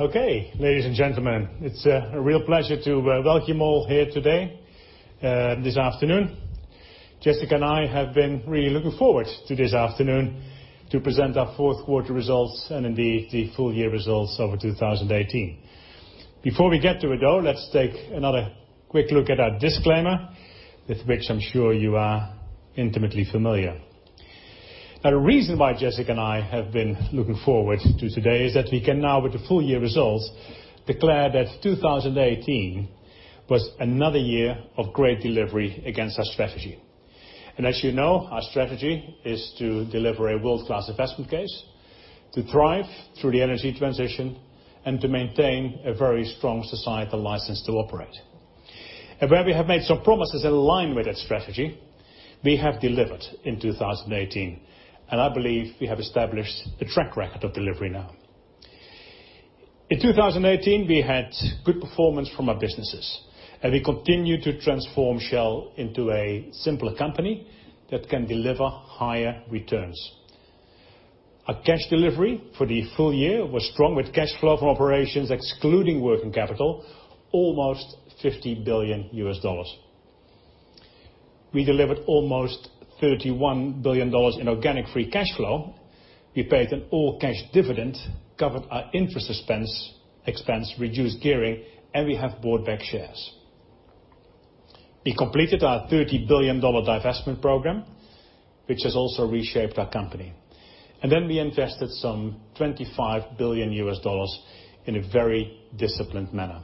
Okay. Ladies and gentlemen, it's a real pleasure to welcome you all here today, this afternoon. Jessica and I have been really looking forward to this afternoon to present our fourth quarter results and indeed the full year results over 2018. Before we get to it though, let's take another quick look at our disclaimer, with which I'm sure you are intimately familiar. The reason why Jessica and I have been looking forward to today is that we can now, with the full year results, declare that 2018 was another year of great delivery against our strategy. As you know, our strategy is to deliver a world-class investment case, to thrive through the energy transition, and to maintain a very strong societal license to operate. Where we have made some promises in line with that strategy, we have delivered in 2018, I believe we have established a track record of delivery now. In 2018, we had good performance from our businesses, we continued to transform Shell into a simpler company that can deliver higher returns. Our cash delivery for the full year was strong with cash flow from operations excluding working capital almost $50 billion. We delivered almost $31 billion in organic free cash flow. We paid an all cash dividend, covered our interest expense, reduced gearing, we have bought back shares. We completed our $30 billion divestment program, which has also reshaped our company. We invested some $25 billion in a very disciplined manner.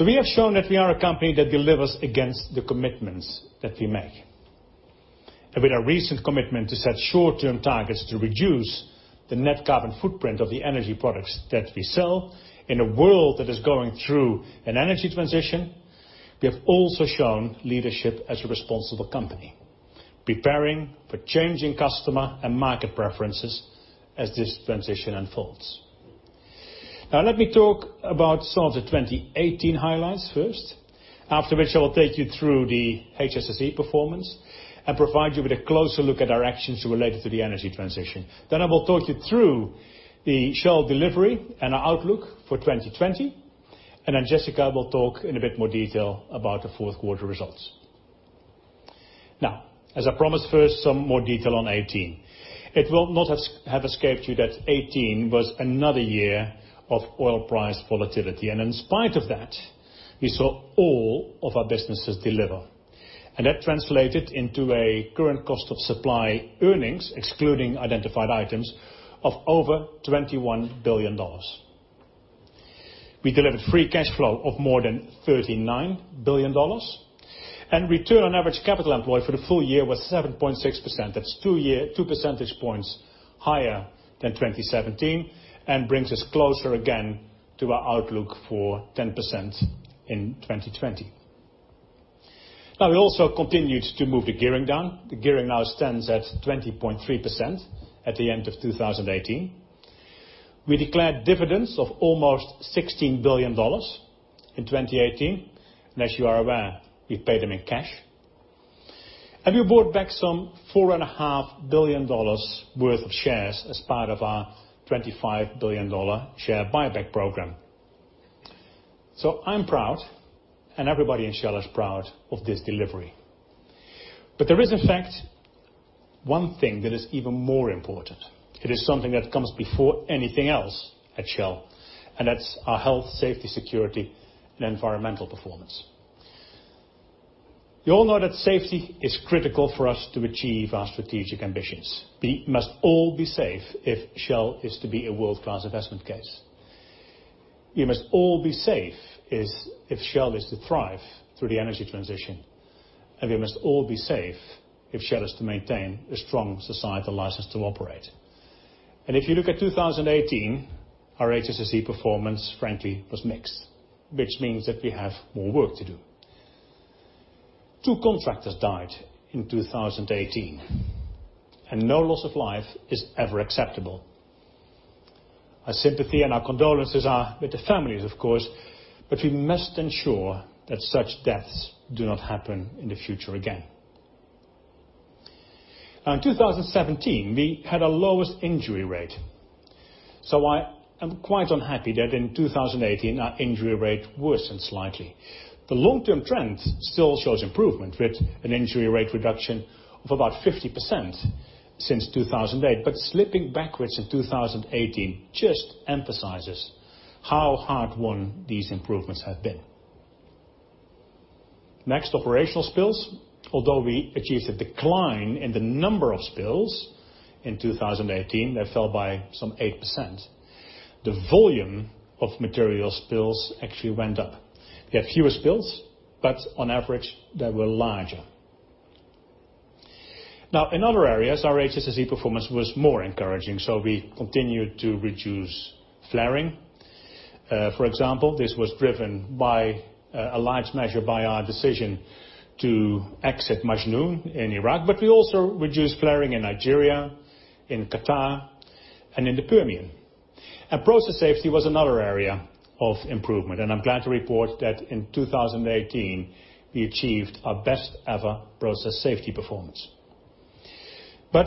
We have shown that we are a company that delivers against the commitments that we make. With our recent commitment to set short-term targets to reduce the net carbon footprint of the energy products that we sell in a world that is going through an energy transition, we have also shown leadership as a responsible company, preparing for changing customer and market preferences as this transition unfolds. Let me talk about some of the 2018 highlights first, after which I will take you through the HSSE performance and provide you with a closer look at our actions related to the energy transition. I will talk you through the Shell delivery and our outlook for 2020, then Jessica will talk in a bit more detail about the fourth quarter results. As I promised, first, some more detail on 2018. It will not have escaped you that 2018 was another year of oil price volatility. In spite of that, we saw all of our businesses deliver. That translated into a current cost of supply earnings, excluding identified items, of over $21 billion. We delivered free cash flow of more than $39 billion. Return on average capital employed for the full year was 7.6%. That's two percentage points higher than 2017 and brings us closer again to our outlook for 10% in 2020. We also continued to move the gearing down. The gearing now stands at 20.3% at the end of 2018. We declared dividends of almost $16 billion in 2018. As you are aware, we paid them in cash. We bought back some $4.5 billion worth of shares as part of our $25 billion share buyback program. I'm proud, everybody in Shell is proud of this delivery. There is in fact one thing that is even more important. It is something that comes before anything else at Shell, and that's our health, safety, security, and environmental performance. You all know that safety is critical for us to achieve our strategic ambitions. We must all be safe if Shell is to be a world-class investment case. We must all be safe if Shell is to thrive through the energy transition. We must all be safe if Shell is to maintain a strong societal license to operate. If you look at 2018, our HSSE performance frankly was mixed, which means that we have more work to do. Two contractors died in 2018, and no loss of life is ever acceptable. Our sympathy and our condolences are with the families, of course, we must ensure that such deaths do not happen in the future again. In 2017, we had our lowest injury rate, I am quite unhappy that in 2018 our injury rate worsened slightly. The long-term trend still shows improvement with an injury rate reduction of about 50% since 2008, slipping backwards in 2018 just emphasizes how hard-won these improvements have been. Next, operational spills. Although we achieved a decline in the number of spills in 2018, they fell by some 8%. The volume of material spills actually went up. We had fewer spills, but on average they were larger. In other areas, our HSSE performance was more encouraging. We continued to reduce flaring. For example, this was driven by a large measure by our decision to exit Majnoon in Iraq, we also reduced flaring in Nigeria, in Qatar, and in the Permian. Process safety was another area of improvement. I'm glad to report that in 2018 we achieved our best ever process safety performance. But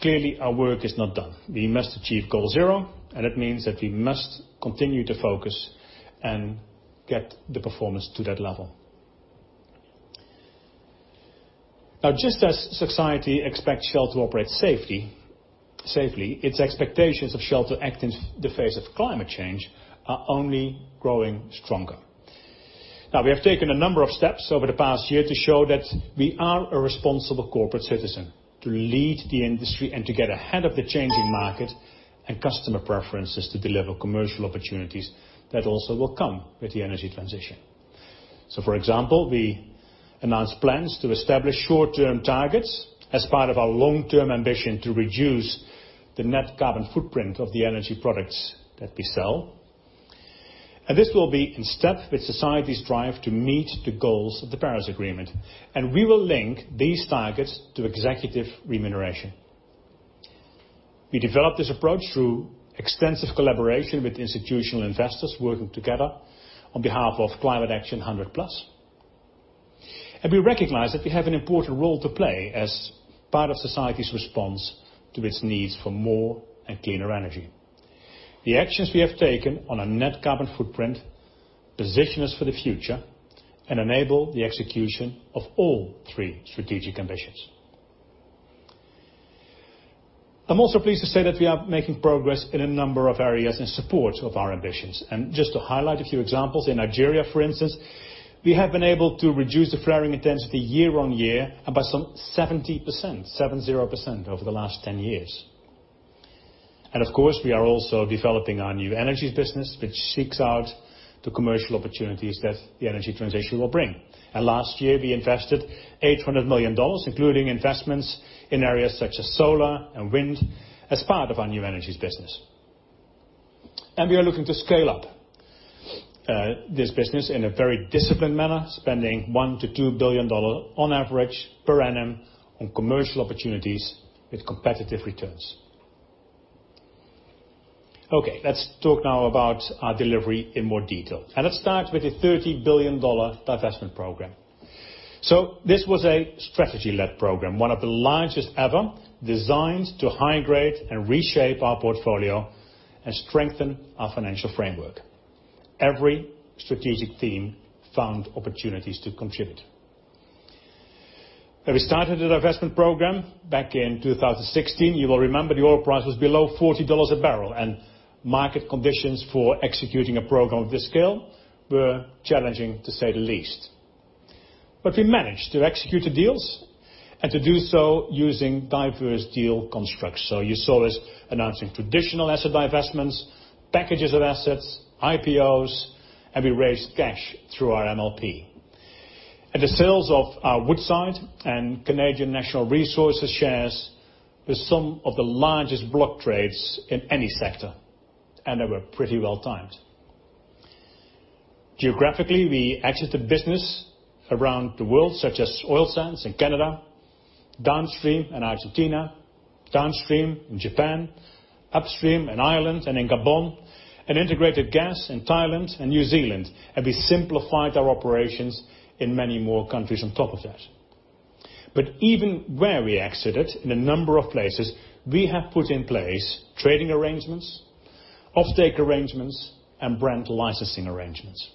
clearly our work is not done. We must achieve goal zero, and it means that we must continue to focus and get the performance to that level. Just as society expects Shell to operate safely, its expectations of Shell to act in the face of climate change are only growing stronger. We have taken a number of steps over the past year to show that we are a responsible corporate citizen, to lead the industry and to get ahead of the changing market and customer preferences to deliver commercial opportunities that also will come with the energy transition. For example, we announced plans to establish short-term targets as part of our long-term ambition to reduce the net carbon footprint of the energy products that we sell. This will be in step with society's drive to meet the goals of the Paris Agreement. We will link these targets to executive remuneration. We developed this approach through extensive collaboration with institutional investors working together on behalf of Climate Action 100+. We recognize that we have an important role to play as part of society's response to its needs for more and cleaner energy. The actions we have taken on our net carbon footprint position us for the future, and enable the execution of all three strategic ambitions. I'm also pleased to say that we are making progress in a number of areas in support of our ambitions. Just to highlight a few examples, in Nigeria, for instance, we have been able to reduce the flaring intensity year on year by some 70%, 70-%, over the last 10 years. Of course, we are also developing our new energies business, which seeks out the commercial opportunities that the energy transition will bring. Last year we invested $800 million, including investments in areas such as solar and wind as part of our new energies business. We are looking to scale up this business in a very disciplined manner, spending $1 billion-$2 billion on average per annum on commercial opportunities with competitive returns. Let's talk now about our delivery in more detail. Let's start with the $30 billion divestment program. This was a strategy-led program, one of the largest ever, designed to high-grade and reshape our portfolio and strengthen our financial framework. Every strategic theme found opportunities to contribute. When we started the divestment program back in 2016, you will remember the oil price was below $40/bbl. Market conditions for executing a program of this scale were challenging, to say the least. We managed to execute the deals, and to do so using diverse deal constructs. You saw us announcing traditional asset divestments, packages of assets, IPOs, and we raised cash through our MLP. The sales of our Woodside and Canadian Natural Resources shares were some of the largest block trades in any sector. They were pretty well timed. Geographically, we exited business around the world, such as oil sands in Canada, downstream in Argentina, downstream in Japan, upstream in Ireland and in Gabon, and integrated gas in Thailand and New Zealand. We simplified our operations in many more countries on top of that. Even where we exited in a number of places, we have put in place trading arrangements, off-take arrangements, and brand licensing arrangements.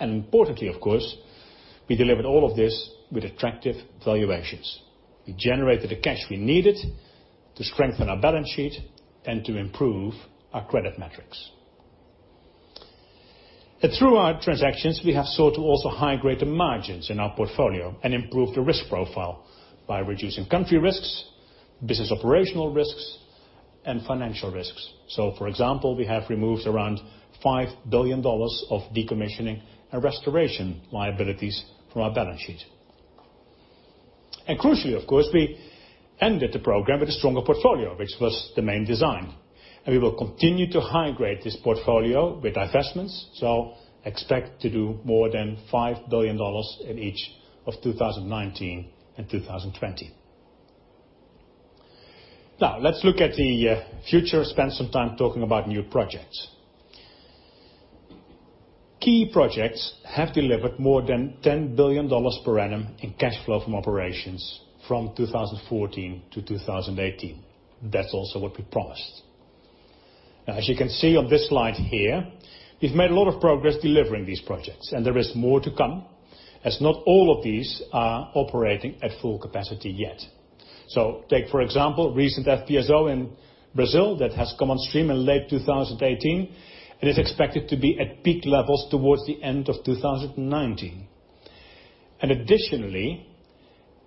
Importantly, of course, we delivered all of this with attractive valuations. We generated the cash we needed to strengthen our balance sheet and to improve our credit metrics. Through our transactions, we have sought to also high-grade the margins in our portfolio and improve the risk profile by reducing country risks, business operational risks, and financial risks. For example, we have removed around $5 billion of decommissioning and restoration liabilities from our balance sheet. Crucially, of course, we ended the program with a stronger portfolio, which was the main design. We will continue to high-grade this portfolio with divestments, so expect to do more than $5 billion in each of 2019 and 2020. Let's look at the future, spend some time talking about new projects. Key projects have delivered more than $10 billion per annum in cash flow from operations from 2014 to 2018. That's also what we promised. As you can see on this slide here, we've made a lot of progress delivering these projects, and there is more to come, as not all of these are operating at full capacity yet. Take, for example, recent FPSO in Brazil that has come on stream in late 2018. It is expected to be at peak levels towards the end of 2019. Additionally,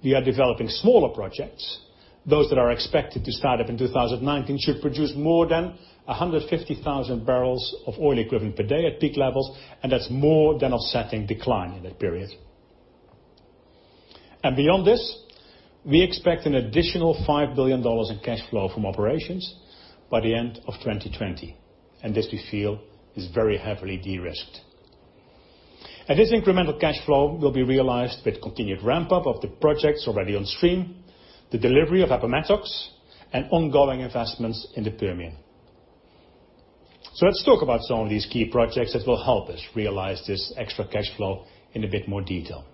we are developing smaller projects. Those that are expected to start up in 2019 should produce more than 150,000 BOE per day at peak levels. That's more than offsetting decline in that period. Beyond this, we expect an additional $5 billion in cash flow from operations by the end of 2020. This we feel is very heavily de-risked. This incremental cash flow will be realized with continued ramp up of the projects already on stream, the delivery of Appomattox, and ongoing investments in the Permian. Let's talk about some of these key projects that will help us realize this extra cash flow in a bit more detail.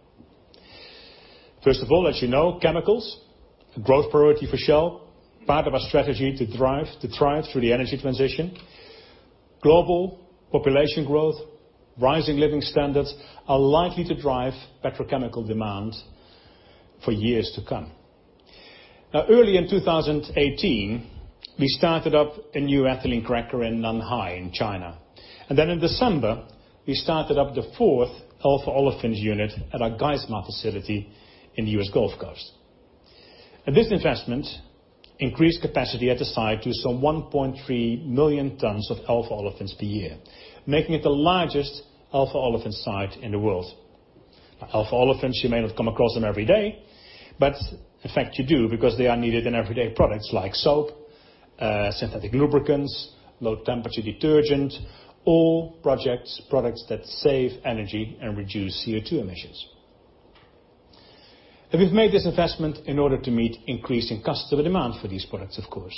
First of all, as you know, chemicals, a growth priority for Shell, part of our strategy to thrive through the energy transition. Global population growth, rising living standards are likely to drive petrochemical demand for years to come. Then in 2018, we started up a new ethylene cracker in Nanhai in China. Then in December, we started up the fourth alpha-olefins unit at our Geismar facility in the U.S. Gulf Coast. This investment increased capacity at the site to some 1.3 million tons of alpha-olefins per year, making it the largest alpha-olefins site in the world. Alpha-olefins, you may not come across them every day, but in fact you do, because they are needed in everyday products like soap, synthetic lubricants, low temperature detergent, all products that save energy and reduce CO2 emissions. We've made this investment in order to meet increasing customer demand for these products, of course.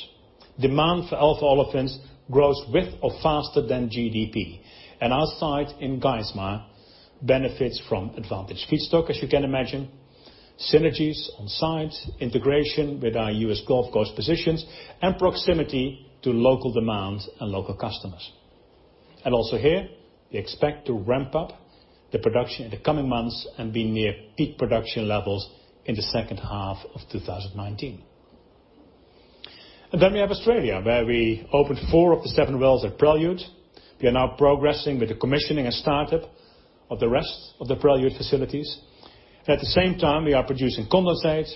Demand for alpha-olefins grows with or faster than GDP, and our site in Geismar benefits from advantage feedstock, as you can imagine, synergies on site, integration with our U.S. Gulf Coast positions, and proximity to local demand and local customers. Also here, we expect to ramp up the production in the coming months and be near peak production levels in the second half of 2019. Then we have Australia, where we opened four of the seven wells at Prelude. We are now progressing with the commissioning and start-up of the rest of the Prelude facilities. At the same time, we are producing condensate,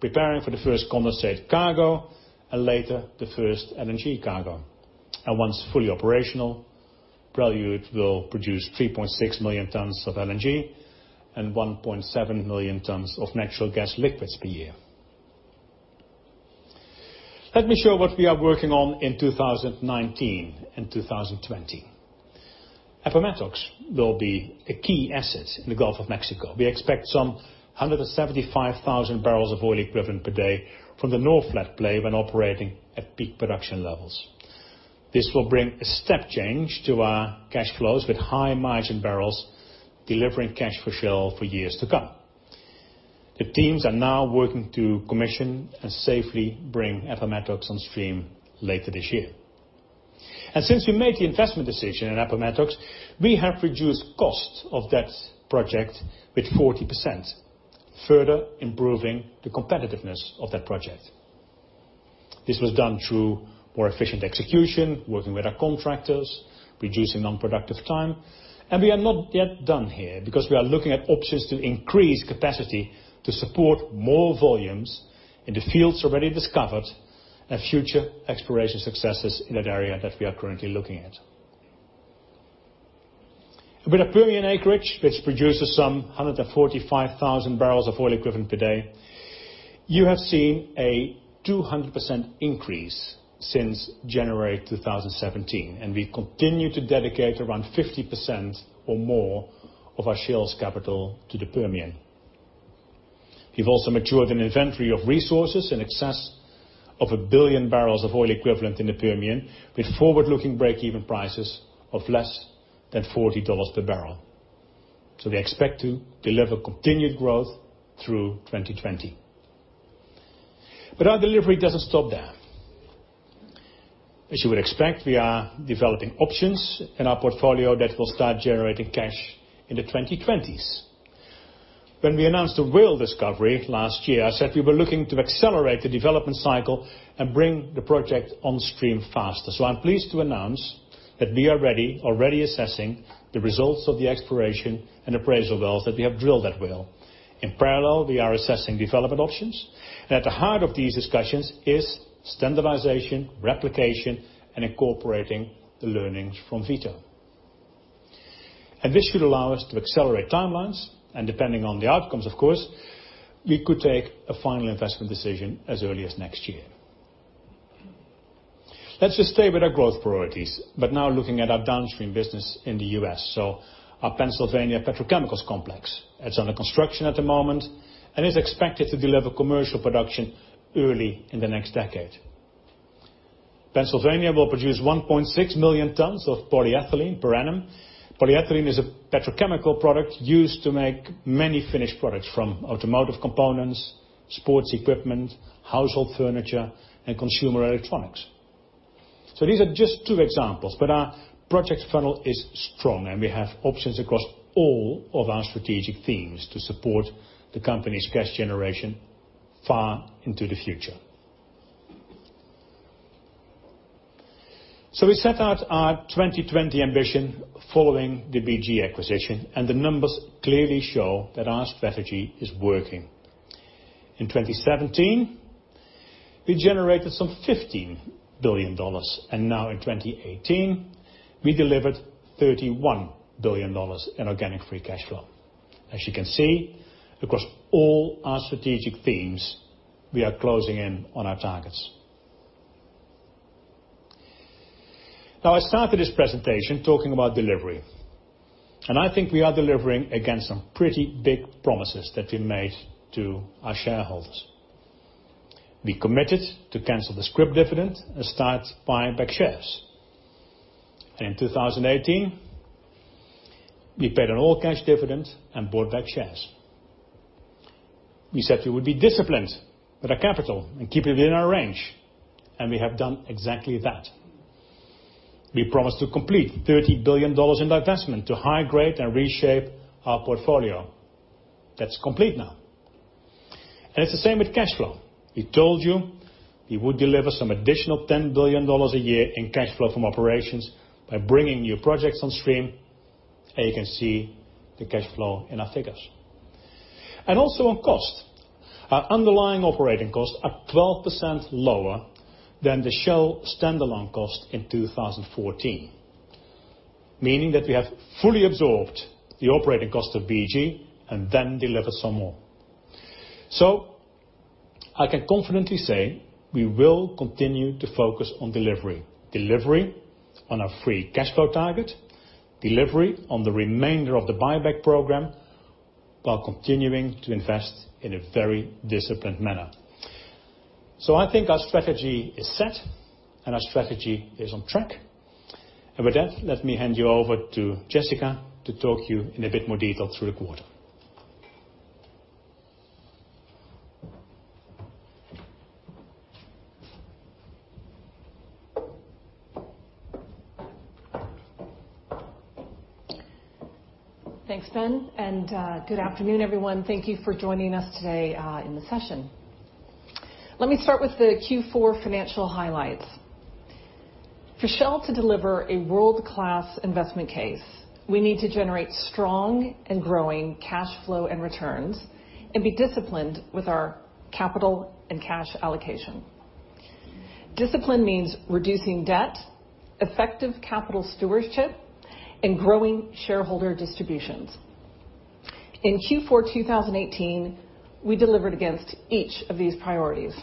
preparing for the first condensate cargo, and later the first LNG cargo. Once fully operational, Prelude will produce 3.6 million tons of LNG and 1.7 million tons of natural gas liquids per year. Let me show what we are working on in 2019 and 2020. Appomattox will be a key asset in the Gulf of Mexico. We expect some 175,000 BOE per day from the Norphlet play when operating at peak production levels. This will bring a step change to our cash flows with high margin barrels delivering cash for Shell for years to come. The teams are now working to commission and safely bring Appomattox on stream later this year. Since we made the investment decision in Appomattox, we have reduced costs of that project with 40%, further improving the competitiveness of that project. This was done through more efficient execution, working with our contractors, reducing non-productive time. We are not yet done here, because we are looking at options to increase capacity to support more volumes in the fields already discovered and future exploration successes in that area that we are currently looking at. With our Permian acreage, which produces some 145,000 BOE per day, you have seen a 200% increase since January 2017. We continue to dedicate around 50% or more of our Shell's capital to the Permian. We've also matured an inventory of resources in excess of a billion BOE in the Permian, with forward-looking break-even prices of less than $40/bbl. We expect to deliver continued growth through 2020. Our delivery doesn't stop there. As you would expect, we are developing options in our portfolio that will start generating cash in the 2020s. When we announced the Whale discovery last year, I said we were looking to accelerate the development cycle and bring the project on stream faster. I'm pleased to announce that we are already assessing the results of the exploration and appraisal wells that we have drilled at Whale. In parallel, we are assessing development options. At the heart of these discussions is standardization, replication, and incorporating the learnings from Vito. This should allow us to accelerate timelines. Depending on the outcomes, of course, we could take a final investment decision as early as next year. Let's just stay with our growth priorities, but now looking at our downstream business in the U.S. Our Pennsylvania Petrochemicals Complex. It's under construction at the moment and is expected to deliver commercial production early in the next decade. Pennsylvania will produce 1.6 million tons of polyethylene per annum. Polyethylene is a petrochemical product used to make many finished products from automotive components, sports equipment, household furniture, and consumer electronics. These are just two examples, but our project funnel is strong and we have options across all of our strategic themes to support the company's cash generation far into the future. We set out our 2020 ambition following the BG acquisition, the numbers clearly show that our strategy is working. In 2017, we generated some $15 billion. Now in 2018, we delivered $31 billion in organic free cash flow. As you can see, across all our strategic themes, we are closing in on our targets. Now, I started this presentation talking about delivery. I think we are delivering against some pretty big promises that we made to our shareholders. We committed to cancel the scrip dividend and start buying back shares. In 2018, we paid an all-cash dividend and bought back shares. We said we would be disciplined with our capital and keep it within our range, and we have done exactly that. We promised to complete $30 billion in divestment to high-grade and reshape our portfolio. That's complete now. It's the same with cash flow. We told you we would deliver some additional $10 billion a year in cash flow from operations by bringing new projects on stream, and you can see the cash flow in our figures. Also on cost. Our underlying operating costs are 12% lower than the Shell standalone cost in 2014, meaning that we have fully absorbed the operating cost of BG and then delivered some more. I can confidently say we will continue to focus on delivery. Delivery on our free cash flow target, delivery on the remainder of the buyback program, while continuing to invest in a very disciplined manner. I think our strategy is set and our strategy is on track. With that, let me hand you over to Jessica to talk you in a bit more detail through the quarter. Thanks, Ben. Good afternoon, everyone. Thank you for joining us today in the session. Let me start with the Q4 financial highlights. For Shell to deliver a world-class investment case, we need to generate strong and growing cash flow and returns and be disciplined with our capital and cash allocation. Discipline means reducing debt, effective capital stewardship, and growing shareholder distributions. In Q4 2018, we delivered against each of these priorities.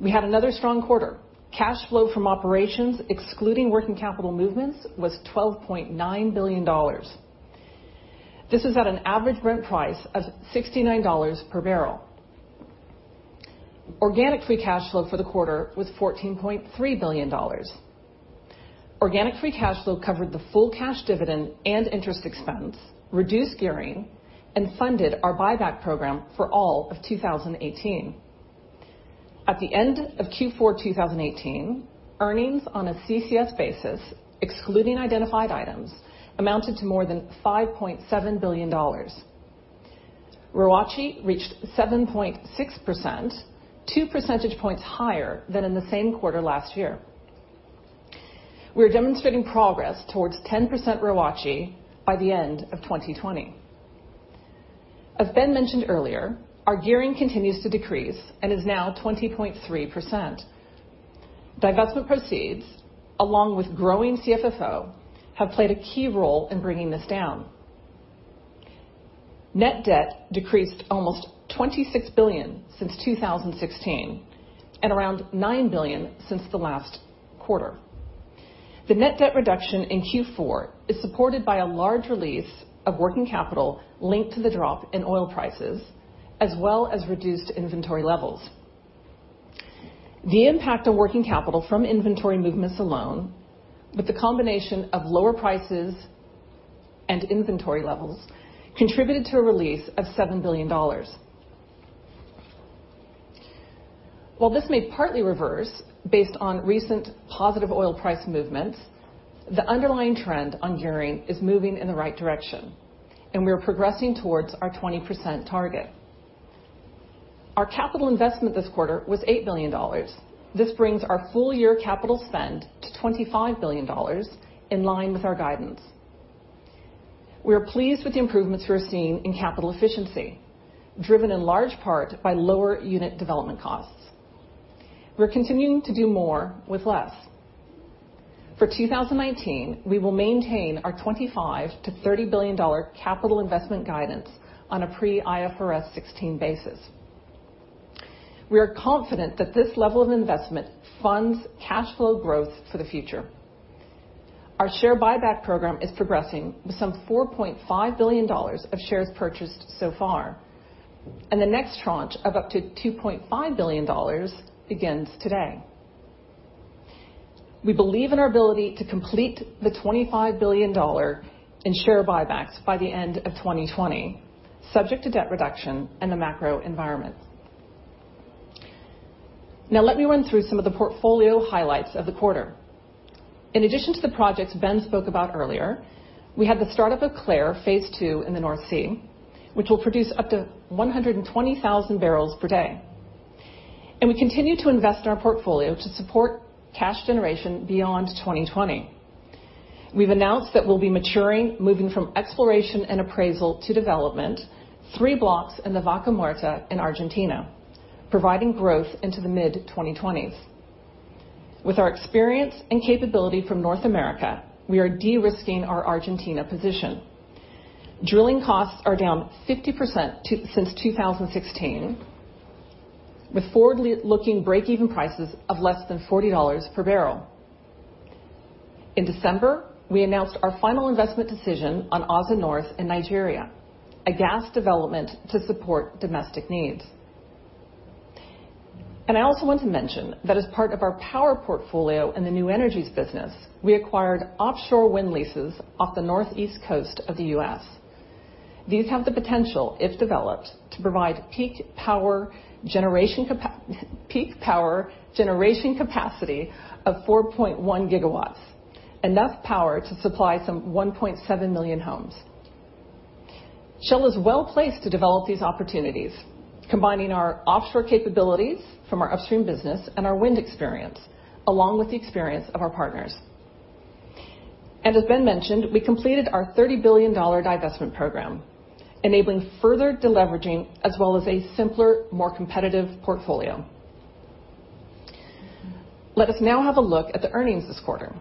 We had another strong quarter. Cash flow from operations excluding working capital movements was $12.9 billion. This is at an average Brent price of $69/bbl. Organic free cash flow for the quarter was $14.3 billion. Organic free cash flow covered the full cash dividend and interest expense, reduced gearing, and funded our buyback program for all of 2018. At the end of Q4 2018, earnings on a CCS basis, excluding identified items, amounted to more than $5.7 billion. ROACE reached 7.6%, 2 percentage points higher than in the same quarter last year. We are demonstrating progress towards 10% ROACE by the end of 2020. As Ben mentioned earlier, our gearing continues to decrease and is now 20.3%. Divestment proceeds, along with growing CFFO, have played a key role in bringing this down. Net debt decreased almost $26 billion since 2016 and around $9 billion since the last quarter. The net debt reduction in Q4 is supported by a large release of working capital linked to the drop in oil prices, as well as reduced inventory levels. The impact on working capital from inventory movements alone, with the combination of lower prices and inventory levels, contributed to a release of $7 billion. While this may partly reverse based on recent positive oil price movements, the underlying trend on gearing is moving in the right direction, and we are progressing towards our 20% target. Our capital investment this quarter was $8 billion. This brings our full year capital spend to $25 billion, in line with our guidance. We are pleased with the improvements we are seeing in capital efficiency, driven in large part by lower unit development costs. We are continuing to do more with less. For 2019, we will maintain our $25 billion-$30 billion capital investment guidance on a pre-IFRS 16 basis. We are confident that this level of investment funds cash flow growth for the future. Our share buyback program is progressing with some $4.5 billion of shares purchased so far. The next tranche of up to $2.5 billion begins today. We believe in our ability to complete the $25 billion in share buybacks by the end of 2020, subject to debt reduction and the macro environment. Now, let me run through some of the portfolio highlights of the quarter. In addition to the projects Ben spoke about earlier, we had the start of Clair Ridge Phase Two in the North Sea, which will produce up to 120,000 bpd. We continue to invest in our portfolio to support cash generation beyond 2020. We've announced that we'll be maturing, moving from exploration and appraisal to development, three blocks in the Vaca Muerta in Argentina, providing growth into the mid-2020s. With our experience and capability from North America, we are de-risking our Argentina position. Drilling costs are down 50% since 2016, with forward-looking break-even prices of less than $40/bbl. In December, we announced our final investment decision on Assa North in Nigeria, a gas development to support domestic needs. I also want to mention that as part of our power portfolio in the new energies business, we acquired offshore wind leases off the northeast coast of the U.S. These have the potential, if developed, to provide peak power generation capacity of 4.1 GW, enough power to supply some 1.7 million homes. Shell is well-placed to develop these opportunities, combining our offshore capabilities from our upstream business and our wind experience, along with the experience of our partners. As Ben mentioned, we completed our $30 billion divestment program, enabling further deleveraging as well as a simpler, more competitive portfolio. Let us now have a look at the earnings this quarter.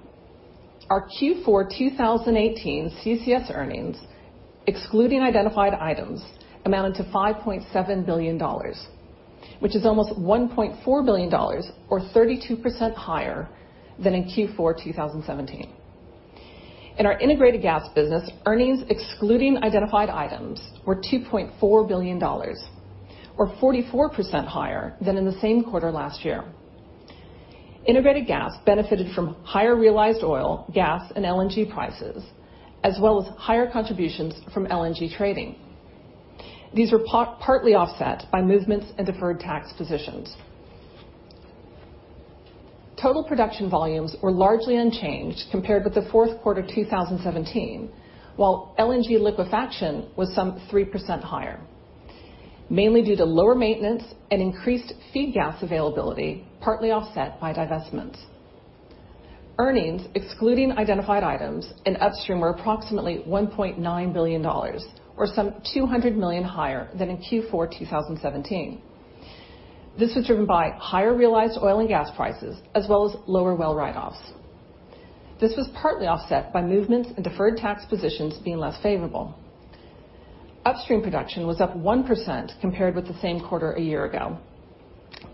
Our Q4 2018 CCS earnings, excluding identified items, amounted to $5.7 billion, which is almost $1.4 billion or 32% higher than in Q4 2017. In our integrated gas business, earnings excluding identified items were $2.4 billion or 44% higher than in the same quarter last year. Integrated gas benefited from higher realized oil, gas, and LNG prices, as well as higher contributions from LNG trading. These were partly offset by movements in deferred tax positions. Total production volumes were largely unchanged compared with the fourth quarter 2017, while LNG liquefaction was some 3% higher, mainly due to lower maintenance and increased feed gas availability, partly offset by divestments. Earnings excluding identified items in upstream were approximately $1.9 billion or some $200 million higher than in Q4 2017. This was driven by higher realized oil and gas prices, as well as lower well write-offs. This was partly offset by movements in deferred tax positions being less favorable. Upstream production was up 1% compared with the same quarter a year ago,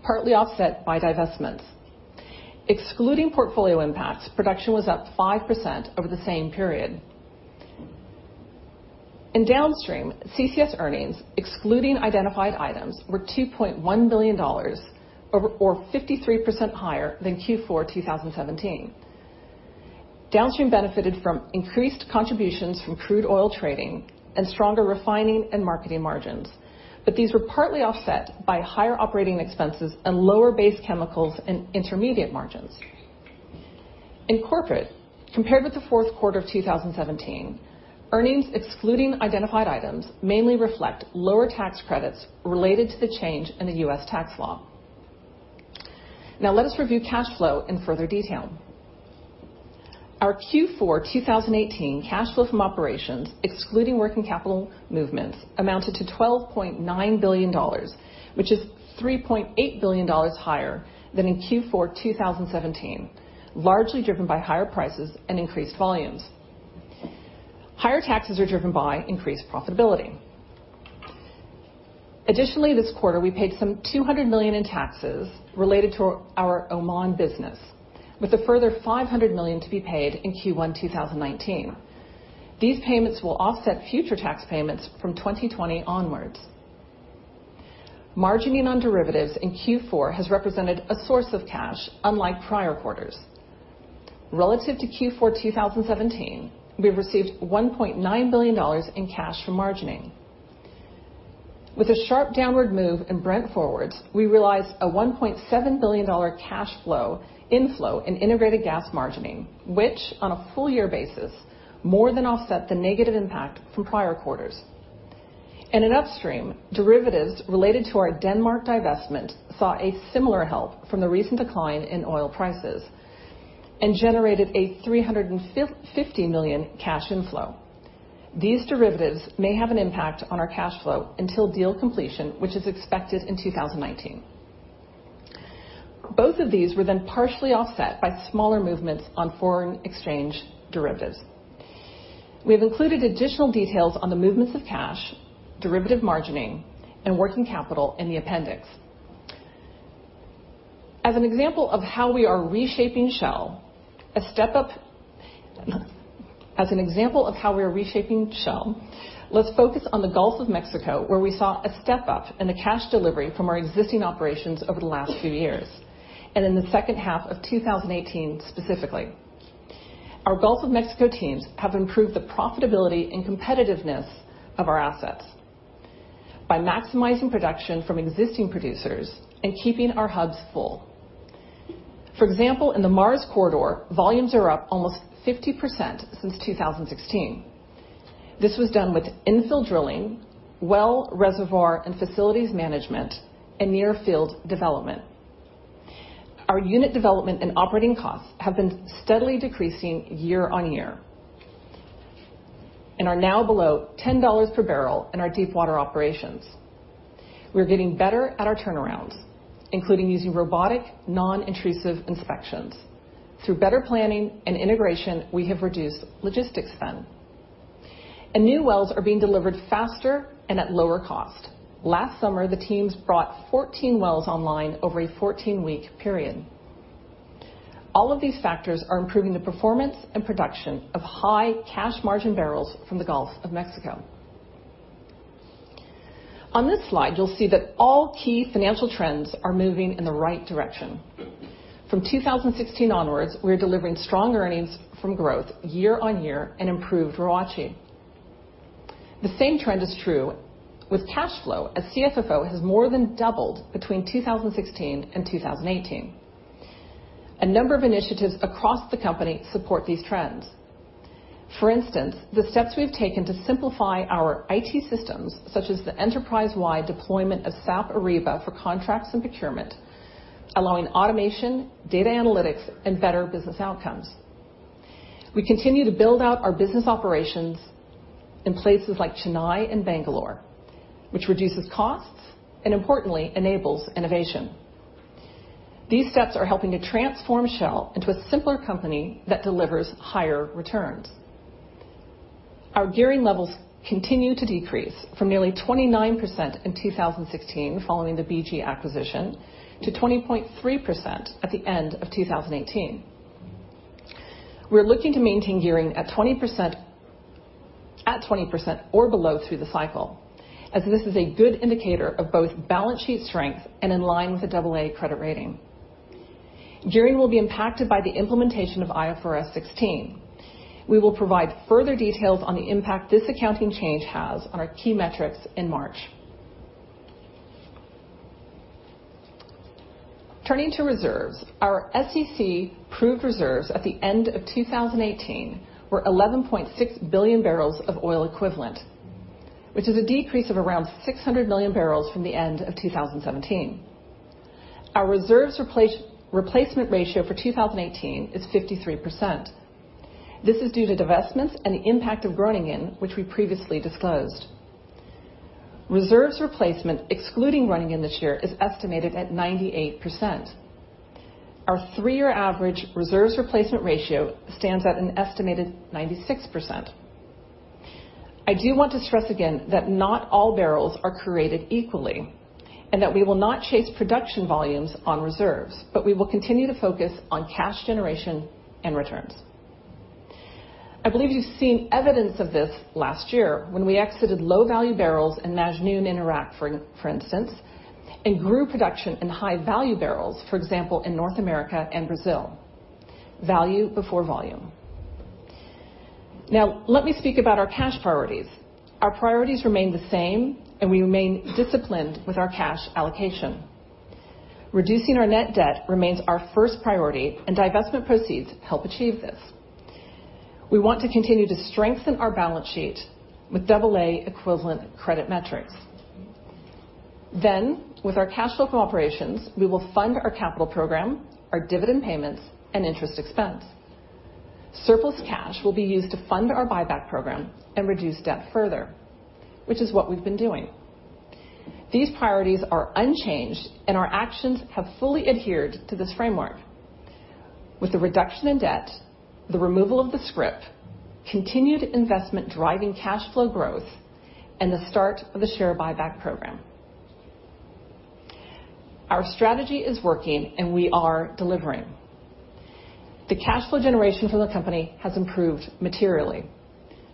partly offset by divestments. Excluding portfolio impacts, production was up 5% over the same period. In downstream, CCS earnings excluding identified items were $2.1 billion or 53% higher than Q4 2017. Downstream benefited from increased contributions from crude oil trading and stronger refining and marketing margins. These were partly offset by higher operating expenses and lower base chemicals and intermediate margins. In corporate, compared with the fourth quarter of 2017, earnings excluding identified items mainly reflect lower tax credits related to the change in the U.S. tax law. Let us review cash flow in further detail. Our Q4 2018 cash flow from operations excluding working capital movements amounted to $12.9 billion, which is $3.8 billion higher than in Q4 2017, largely driven by higher prices and increased volumes. Higher taxes are driven by increased profitability. Additionally, this quarter, we paid some $200 million in taxes related to our Oman business, with a further $500 million to be paid in Q1 2019. These payments will offset future tax payments from 2020 onwards. Margining on derivatives in Q4 has represented a source of cash unlike prior quarters. Relative to Q4 2017, we have received $1.9 billion in cash from margining. With a sharp downward move in Brent forwards, we realized a $1.7 billion cash flow inflow in integrated gas margining, which on a full year basis more than offset the negative impact from prior quarters. In upstream, derivatives related to our Denmark divestment saw a similar help from the recent decline in oil prices and generated a $350 million cash inflow. These derivatives may have an impact on our cash flow until deal completion, which is expected in 2019. Both of these were partially offset by smaller movements on foreign exchange derivatives. We have included additional details on the movements of cash, derivative margining, and working capital in the appendix. As an example of how we are reshaping Shell, let's focus on the Gulf of Mexico, where we saw a step-up in the cash delivery from our existing operations over the last few years, and in the second half of 2018 specifically. Our Gulf of Mexico teams have improved the profitability and competitiveness of our assets by maximizing production from existing producers and keeping our hubs full. For example, in the Mars Corridor, volumes are up almost 50% since 2016. This was done with infill drilling, well reservoir and facilities management, and near-field development. Our unit development and operating costs have been steadily decreasing year on year and are now below $10 per barrel in our deepwater operations. We are getting better at our turnarounds, including using robotic, non-intrusive inspections. Through better planning and integration, we have reduced logistics spend. New wells are being delivered faster and at lower cost. Last summer, the teams brought 14 wells online over a 14-week period. All of these factors are improving the performance and production of high cash margin barrels from the Gulf of Mexico. On this slide, you'll see that all key financial trends are moving in the right direction. From 2016 onwards, we are delivering strong earnings from growth year on year and improved ROACE. The same trend is true with cash flow, as CFFO has more than doubled between 2016 and 2018. A number of initiatives across the company support these trends. For instance, the steps we've taken to simplify our IT systems, such as the enterprise-wide deployment of SAP Ariba for contracts and procurement, allowing automation, data analytics, and better business outcomes. We continue to build out our business operations in places like Chennai and Bangalore, which reduces costs, and importantly, enables innovation. These steps are helping to transform Shell into a simpler company that delivers higher returns. Our gearing levels continue to decrease from nearly 29% in 2016 following the BG acquisition to 20.3% at the end of 2018. We're looking to maintain gearing at 20% or below through the cycle, as this is a good indicator of both balance sheet strength and in line with a double A credit rating. Gearing will be impacted by the implementation of IFRS 16. We will provide further details on the impact this accounting change has on our key metrics in March. Turning to reserves, our SEC proved reserves at the end of 2018 were 11.6 billion BOE, which is a decrease of around 600 million bbl from the end of 2017. Our reserves replacement ratio for 2018 is 53%. This is due to divestments and the impact of Groningen, which we previously disclosed. Reserves replacement, excluding Groningen this year, is estimated at 98%. Our three-year average reserves replacement ratio stands at an estimated 96%. I do want to stress again that not all barrels are created equally, and that we will not chase production volumes on reserves, but we will continue to focus on cash generation and returns. I believe you've seen evidence of this last year when we exited low-value barrels in Majnoon in Iraq, for instance, and grew production in high-value barrels, for example, in North America and Brazil. Value before volume. Let me speak about our cash priorities. Our priorities remain the same, and we remain disciplined with our cash allocation. Reducing our net debt remains our first priority, and divestment proceeds help achieve this. We want to continue to strengthen our balance sheet with AA equivalent credit metrics. With our cash flow from operations, we will fund our capital program, our dividend payments, and interest expense. Surplus cash will be used to fund our buyback program and reduce debt further, which is what we've been doing. These priorities are unchanged, and our actions have fully adhered to this framework. With the reduction in debt, the removal of the scrip, continued investment driving cash flow growth, and the start of the share buyback program. Our strategy is working, and we are delivering. The cash flow generation for the company has improved materially.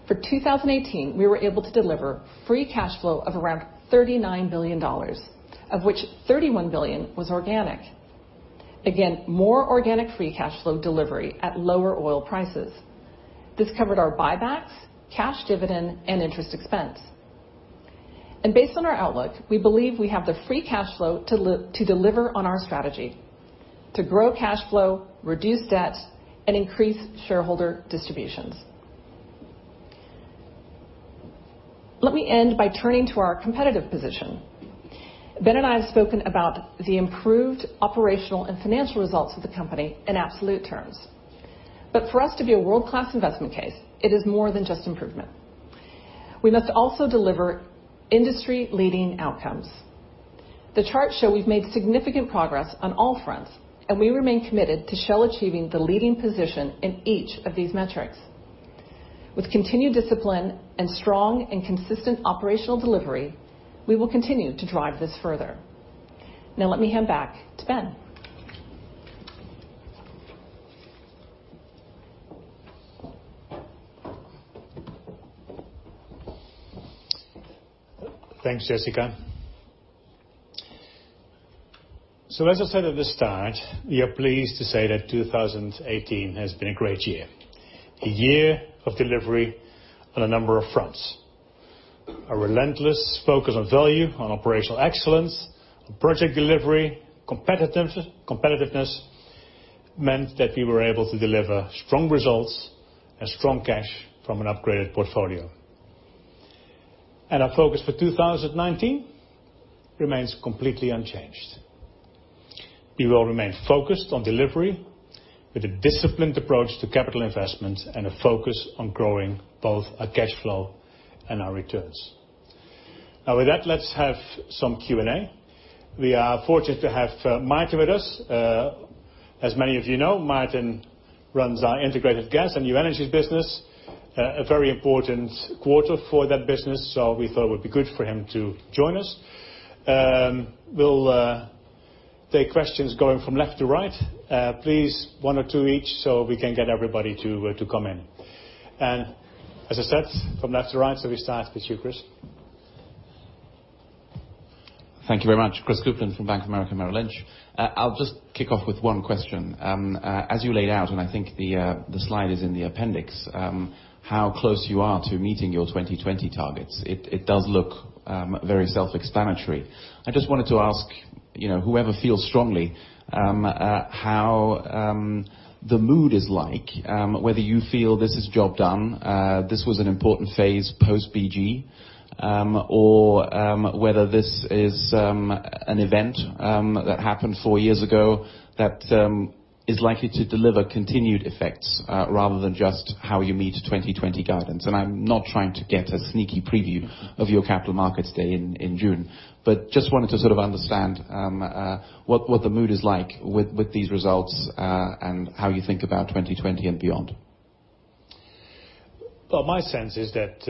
For 2018, we were able to deliver free cash flow of around $39 billion, of which $31 billion was organic. Again, more organic free cash flow delivery at lower oil prices. This covered our buybacks, cash dividend, and interest expense. Based on our outlook, we believe we have the free cash flow to deliver on our strategy, to grow cash flow, reduce debt, and increase shareholder distributions. Let me end by turning to our competitive position. Ben and I have spoken about the improved operational and financial results of the company in absolute terms. For us to be a world-class investment case, it is more than just improvement. We must also deliver industry-leading outcomes. The charts show we've made significant progress on all fronts, and we remain committed to Shell achieving the leading position in each of these metrics. With continued discipline and strong and consistent operational delivery, we will continue to drive this further. Let me hand back to Ben. Thanks, Jessica. As I said at the start, we are pleased to say that 2018 has been a great year. A year of delivery on a number of fronts. A relentless focus on value, on operational excellence, on project delivery, competitiveness meant that we were able to deliver strong results and strong cash from an upgraded portfolio. Our focus for 2019 remains completely unchanged. We will remain focused on delivery with a disciplined approach to capital investments and a focus on growing both our cash flow and our returns. With that, let's have some Q&A. We are fortunate to have Maarten with us. As many of you know, Maarten runs our Integrated Gas and New Energies business. A very important quarter for that business, so we thought it would be good for him to join us. We'll take questions going from left to right. Please one or two each, so we can get everybody to come in. As I said, from left to right, we start with you, Chris. Thank you very much. Chris Kuplent from Bank of America Merrill Lynch. I'll just kick off with one question. As you laid out, I think the slide is in the appendix, how close you are to meeting your 2020 targets. It does look very self-explanatory. I just wanted to ask, whoever feels strongly, how the mood is like, whether you feel this is job done, this was an important phase post-BG, or whether this is an event that happened four years ago that is likely to deliver continued effects rather than just how you meet 2020 guidance. I'm not trying to get a sneaky preview of your Capital Markets Day in June, but just wanted to sort of understand what the mood is like with these results, and how you think about 2020 and beyond. Well, my sense is that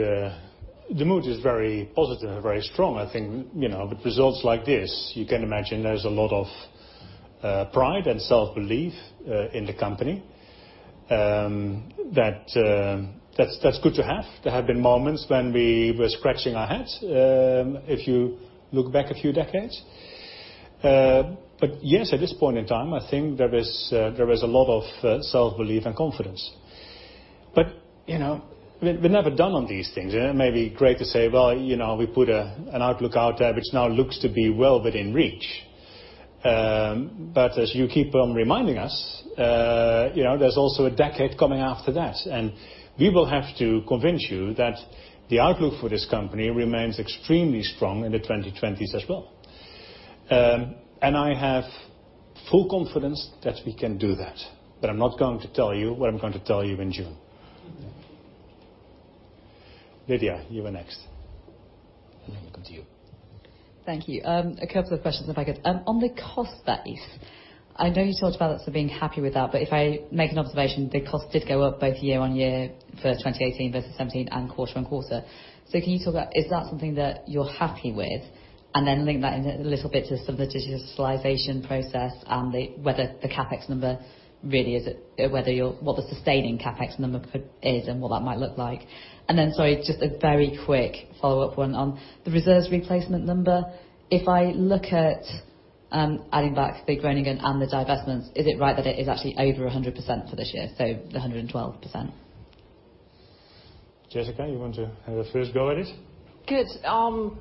the mood is very positive and very strong. I think, with results like this, you can imagine there's a lot of pride and self-belief in the company. That's good to have. There have been moments when we were scratching our heads, if you look back a few decades. Yes, at this point in time, I think there is a lot of self-belief and confidence. We're never done on these things. It may be great to say, well, we put an outlook out there which now looks to be well within reach. As you keep on reminding us, there's also a decade coming after that, and we will have to convince you that the outlook for this company remains extremely strong in the 2020s as well. I have full confidence that we can do that. I'm not going to tell you what I'm going to tell you in June. Lydia, you were next. Then we'll come to you. Thank you. A couple of questions if I could. On the cost base, I know you talked about sort of being happy with that, but if I make an observation, the cost did go up both year-over-year for 2018 versus 2017 and quarter-over-quarter. Can you talk about, is that something that you're happy with? Link that in a little bit to some of the digitalization process and whether what the sustaining CapEx number is and what that might look like. Sorry, just a very quick follow-up one on the reserves replacement number. If I look at adding back the Groningen and the divestments, is it right that it is actually over 100% for this year, so the 112%? Jessica, you want to have a first go at it? Good. I'll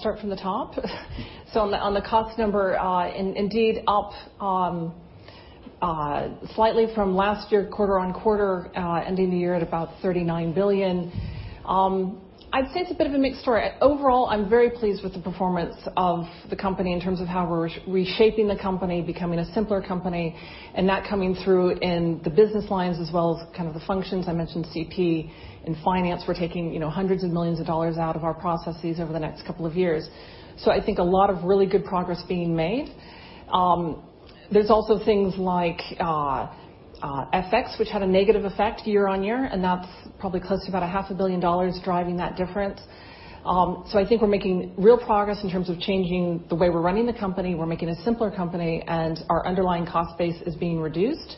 start from the top. On the cost number, indeed up slightly from last year, quarter-over-quarter, ending the year at about $39 billion. I'd say it's a bit of a mixed story. Overall, I'm very pleased with the performance of the company in terms of how we're reshaping the company, becoming a simpler company, and that coming through in the business lines as well as kind of the functions. I mentioned CP and finance, we're taking hundreds of millions of dollars out of our processes over the next couple of years. I think a lot of really good progress being made. There's also things like FX, which had a negative effect year-over-year, and that's probably close to about a half a billion dollars driving that difference. I think we're making real progress in terms of changing the way we're running the company. We're making a simpler company, and our underlying cost base is being reduced.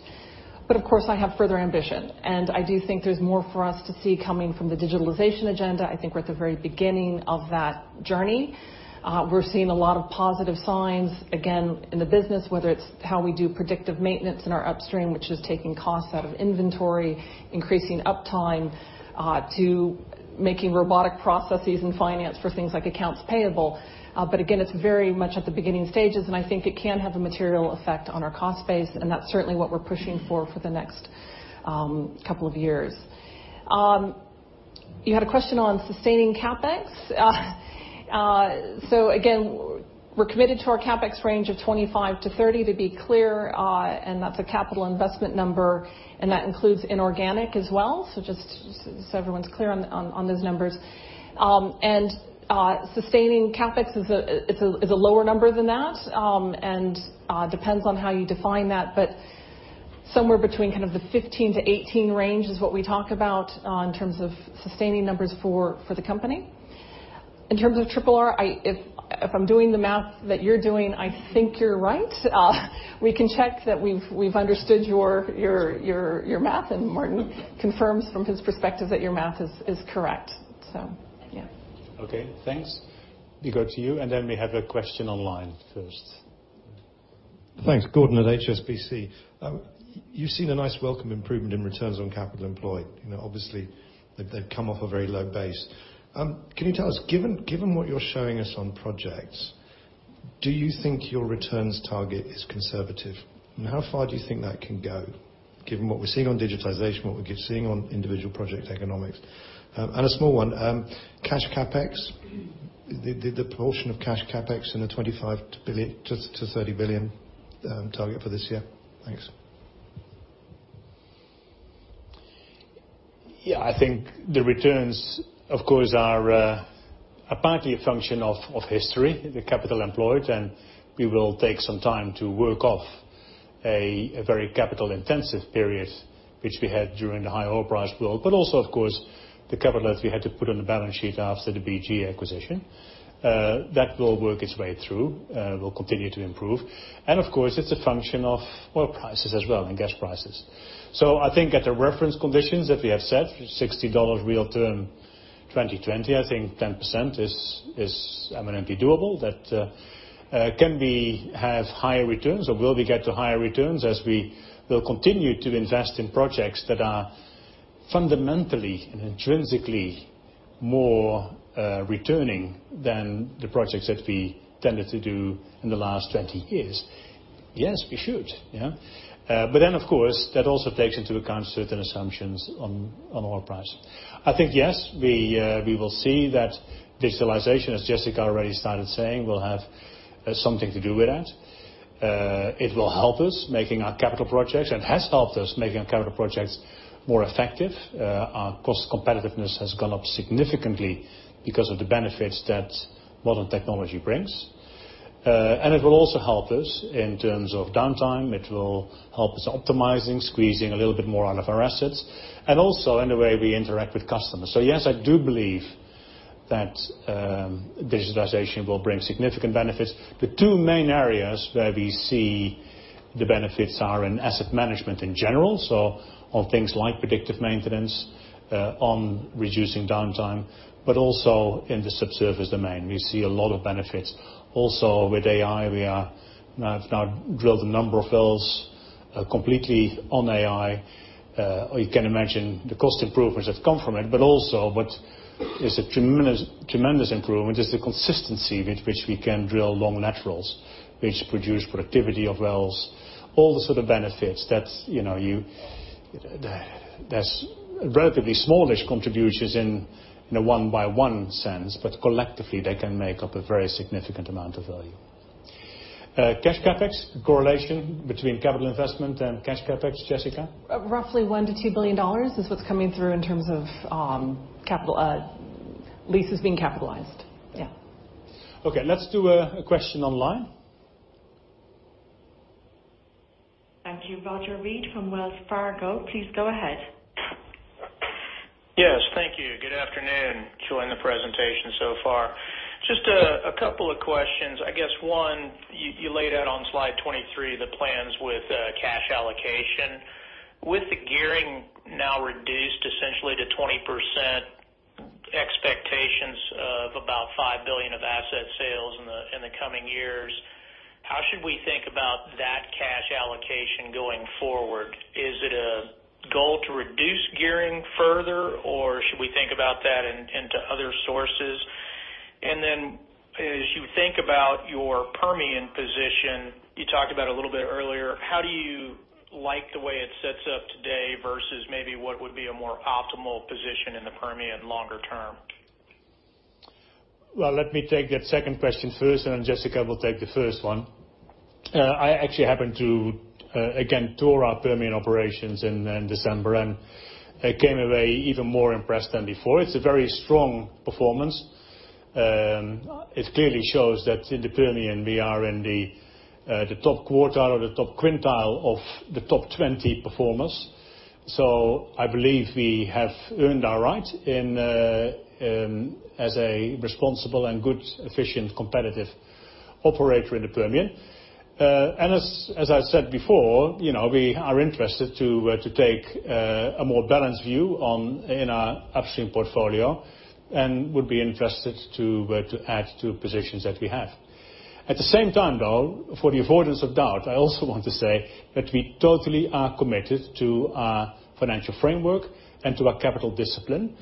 Of course, I have further ambition, and I do think there's more for us to see coming from the digitalization agenda. I think we're at the very beginning of that journey. We're seeing a lot of positive signs, again, in the business, whether it's how we do predictive maintenance in our upstream, which is taking costs out of inventory, increasing uptime, to making robotic processes in finance for things like accounts payable. Again, it's very much at the beginning stages, and I think it can have a material effect on our cost base, and that's certainly what we're pushing for the next couple of years. You had a question on sustaining CapEx. Again, we're committed to our CapEx range of $25 billion-$30 billion to be clear, and that's a capital investment number, and that includes inorganic as well. Just so everyone's clear on those numbers. Sustaining CapEx is a lower number than that, and depends on how you define that. Somewhere between kind of the $15 billion-$18 billion range is what we talk about in terms of sustaining numbers for the company. In terms of RRR, if I'm doing the math that you're doing, I think you're right. We can check that we've understood your math, and Maarten confirms from his perspective that your math is correct. Yeah. Okay, thanks. We go to you, and then we have a question online first. Thanks. Gordon at HSBC. You've seen a nice welcome improvement in returns on capital employed. Obviously, they've come off a very low base. Can you tell us, given what you're showing us on projects, do you think your returns target is conservative? How far do you think that can go given what we're seeing on digitization, what we're seeing on individual project economics? A small one, cash CapEx, the proportion of cash CapEx in the $25 billion-$30 billion target for this year. Thanks. The returns, of course, are partly a function of history, the capital employed, and we will take some time to work off a very capital-intensive period, which we had during the high oil price world. The capital that we had to put on the balance sheet after the BG acquisition. That will work its way through, will continue to improve. Of course, it's a function of oil prices as well, and gas prices. At the reference conditions that we have set, $60 real term 2020, I think 10% is eminently doable. That can have higher returns, or will we get to higher returns as we will continue to invest in projects that are fundamentally and intrinsically more returning than the projects that we tended to do in the last 20 years. Yes, we should. That also takes into account certain assumptions on oil price. We will see that digitalization, as Jessica already started saying, will have something to do with that. It will help us making our capital projects and has helped us making our capital projects more effective. Our cost competitiveness has gone up significantly because of the benefits that modern technology brings. It will also help us in terms of downtime. It will help us optimizing, squeezing a little bit more out of our assets, and also in the way we interact with customers. I do believe that digitalization will bring significant benefits. The two main areas where we see the benefits are in asset management in general, so on things like predictive maintenance, on reducing downtime, but also in the subsurfers domain. We see a lot of benefits. With AI, we have now drilled a number of wells, completely on AI. You can imagine the cost improvements have come from it, but also what is a tremendous improvement is the consistency with which we can drill long laterals, which produce productivity of wells. All the sort of benefits that's relatively smallish contributions in a one-by-one sense, but collectively, they can make up a very significant amount of value. Cash CapEx, correlation between capital investment and cash CapEx, Jessica? Roughly $1 billion-$2 billion is what's coming through in terms of leases being capitalized. Okay, let's do a question online. Thank you. Roger Read from Wells Fargo, please go ahead. Yes, thank you. Good afternoon. Enjoying the presentation so far. Just a couple of questions. I guess one, you laid out on slide 23 the plans with cash allocation. With the gearing now reduced essentially to 20% expectations of about $5 billion of asset sales in the coming years, how should we think about that cash allocation going forward? Is it a goal to reduce gearing further, or should we think about that into other sources? As you think about your Permian position, you talked about a little bit earlier, how do you like the way it sets up today versus maybe what would be a more optimal position in the Permian longer term? Well, let me take that second question first, and then Jessica will take the first one. I actually happened to, again, tour our Permian operations in December, and I came away even more impressed than before. It's a very strong performance. It clearly shows that in the Permian, we are in the top quarter or the top quintile of the top 20 performers. I believe we have earned our right as a responsible and good, efficient, competitive operator in the Permian. As I said before, we are interested to take a more balanced view in our upstream portfolio and would be interested to add to positions that we have. At the same time, though, for the avoidance of doubt, I also want to say that we totally are committed to our financial framework and to our capital discipline,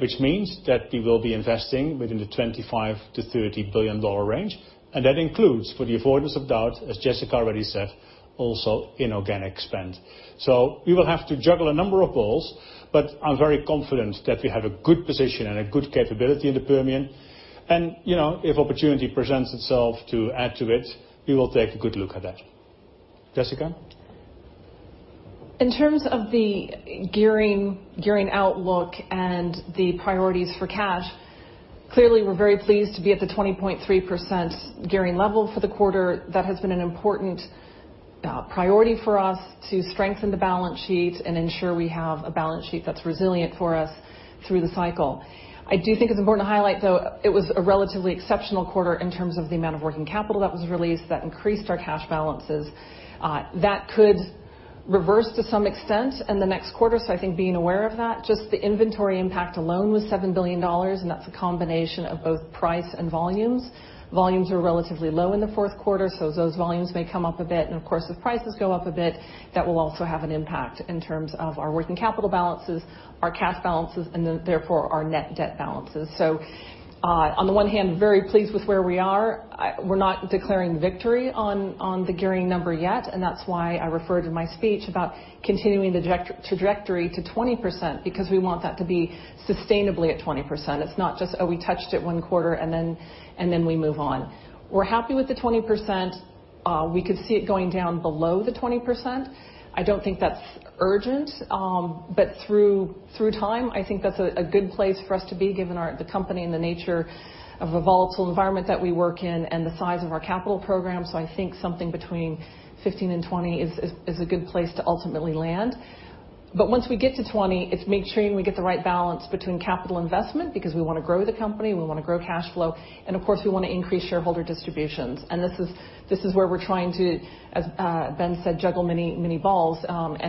which means that we will be investing within the $25 billion-$30 billion range. That includes, for the avoidance of doubt, as Jessica already said, also inorganic spend. We will have to juggle a number of balls, but I'm very confident that we have a good position and a good capability in the Permian. If opportunity presents itself to add to it, we will take a good look at that. Jessica? In terms of the gearing outlook and the priorities for cash, clearly, we're very pleased to be at the 20.3% gearing level for the quarter. That has been an important priority for us to strengthen the balance sheet and ensure we have a balance sheet that's resilient for us through the cycle. I do think it's important to highlight, though, it was a relatively exceptional quarter in terms of the amount of working capital that was released that increased our cash balances. That could reverse to some extent in the next quarter, I think being aware of that. Just the inventory impact alone was $7 billion, That's a combination of both price and volumes. Volumes were relatively low in the fourth quarter, those volumes may come up a bit. Of course, if prices go up a bit, that will also have an impact in terms of our working capital balances, our cash balances, and therefore our net debt balances. On the one hand, very pleased with where we are. We're not declaring victory on the gearing number yet, That's why I referred in my speech about continuing the trajectory to 20%, because we want that to be sustainably at 20%. It's not just, oh, we touched it one quarter and then we move on. We're happy with the 20%. We could see it going down below the 20%. I don't think that's urgent. Through time, I think that's a good place for us to be, given the company and the nature of the volatile environment that we work in and the size of our capital program. I think something between 15% and 20% is a good place to ultimately land. Once we get to 20%, it's making sure we get the right balance between capital investment, because we want to grow the company, we want to grow cash flow, and of course, we want to increase shareholder distributions. This is where we're trying to, as Ben said, juggle many balls.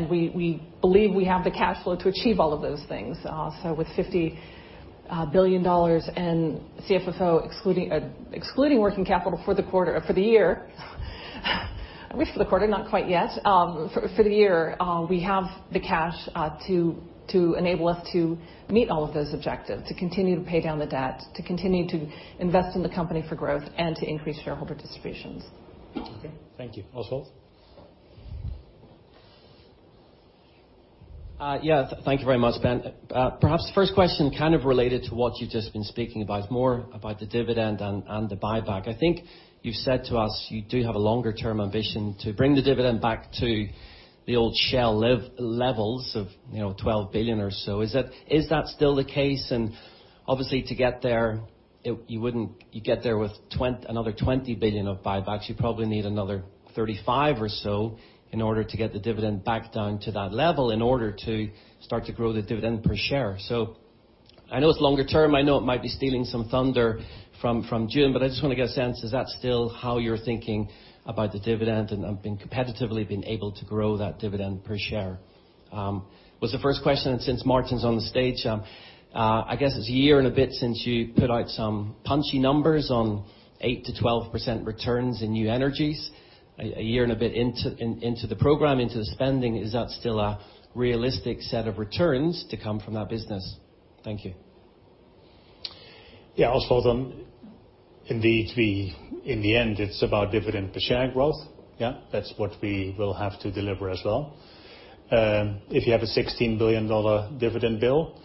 We believe we have the cash flow to achieve all of those things. With $50 billion in CFFO excluding working capital for the year at least for the quarter, not quite yet. For the year, we have the cash to enable us to meet all of those objectives, to continue to pay down the debt, to continue to invest in the company for growth and to increase shareholder distributions. Okay. Thank you, Oswald. Thank you very much, Ben. Perhaps the first question kind of related to what you've just been speaking about, more about the dividend and the buyback. I think you've said to us you do have a longer-term ambition to bring the dividend back to the old Shell levels of $12 billion or so. Is that still the case? Obviously to get there, you'd get there with another $20 billion of buybacks. You probably need another $35 billion or so in order to get the dividend back down to that level in order to start to grow the dividend per share. I know it's longer term. I know it might be stealing some thunder from June, but I just want to get a sense, is that still how you're thinking about the dividend and competitively being able to grow that dividend per share? Was the first question. Since Maarten's on the stage, I guess it's a year and a bit since you put out some punchy numbers on 8%-12% returns in New Energies. A year and a bit into the program, into the spending, is that still a realistic set of returns to come from that business? Thank you. Oswald. Indeed, in the end, it's about dividend per share growth. That's what we will have to deliver as well. If you have a $16 billion dividend bill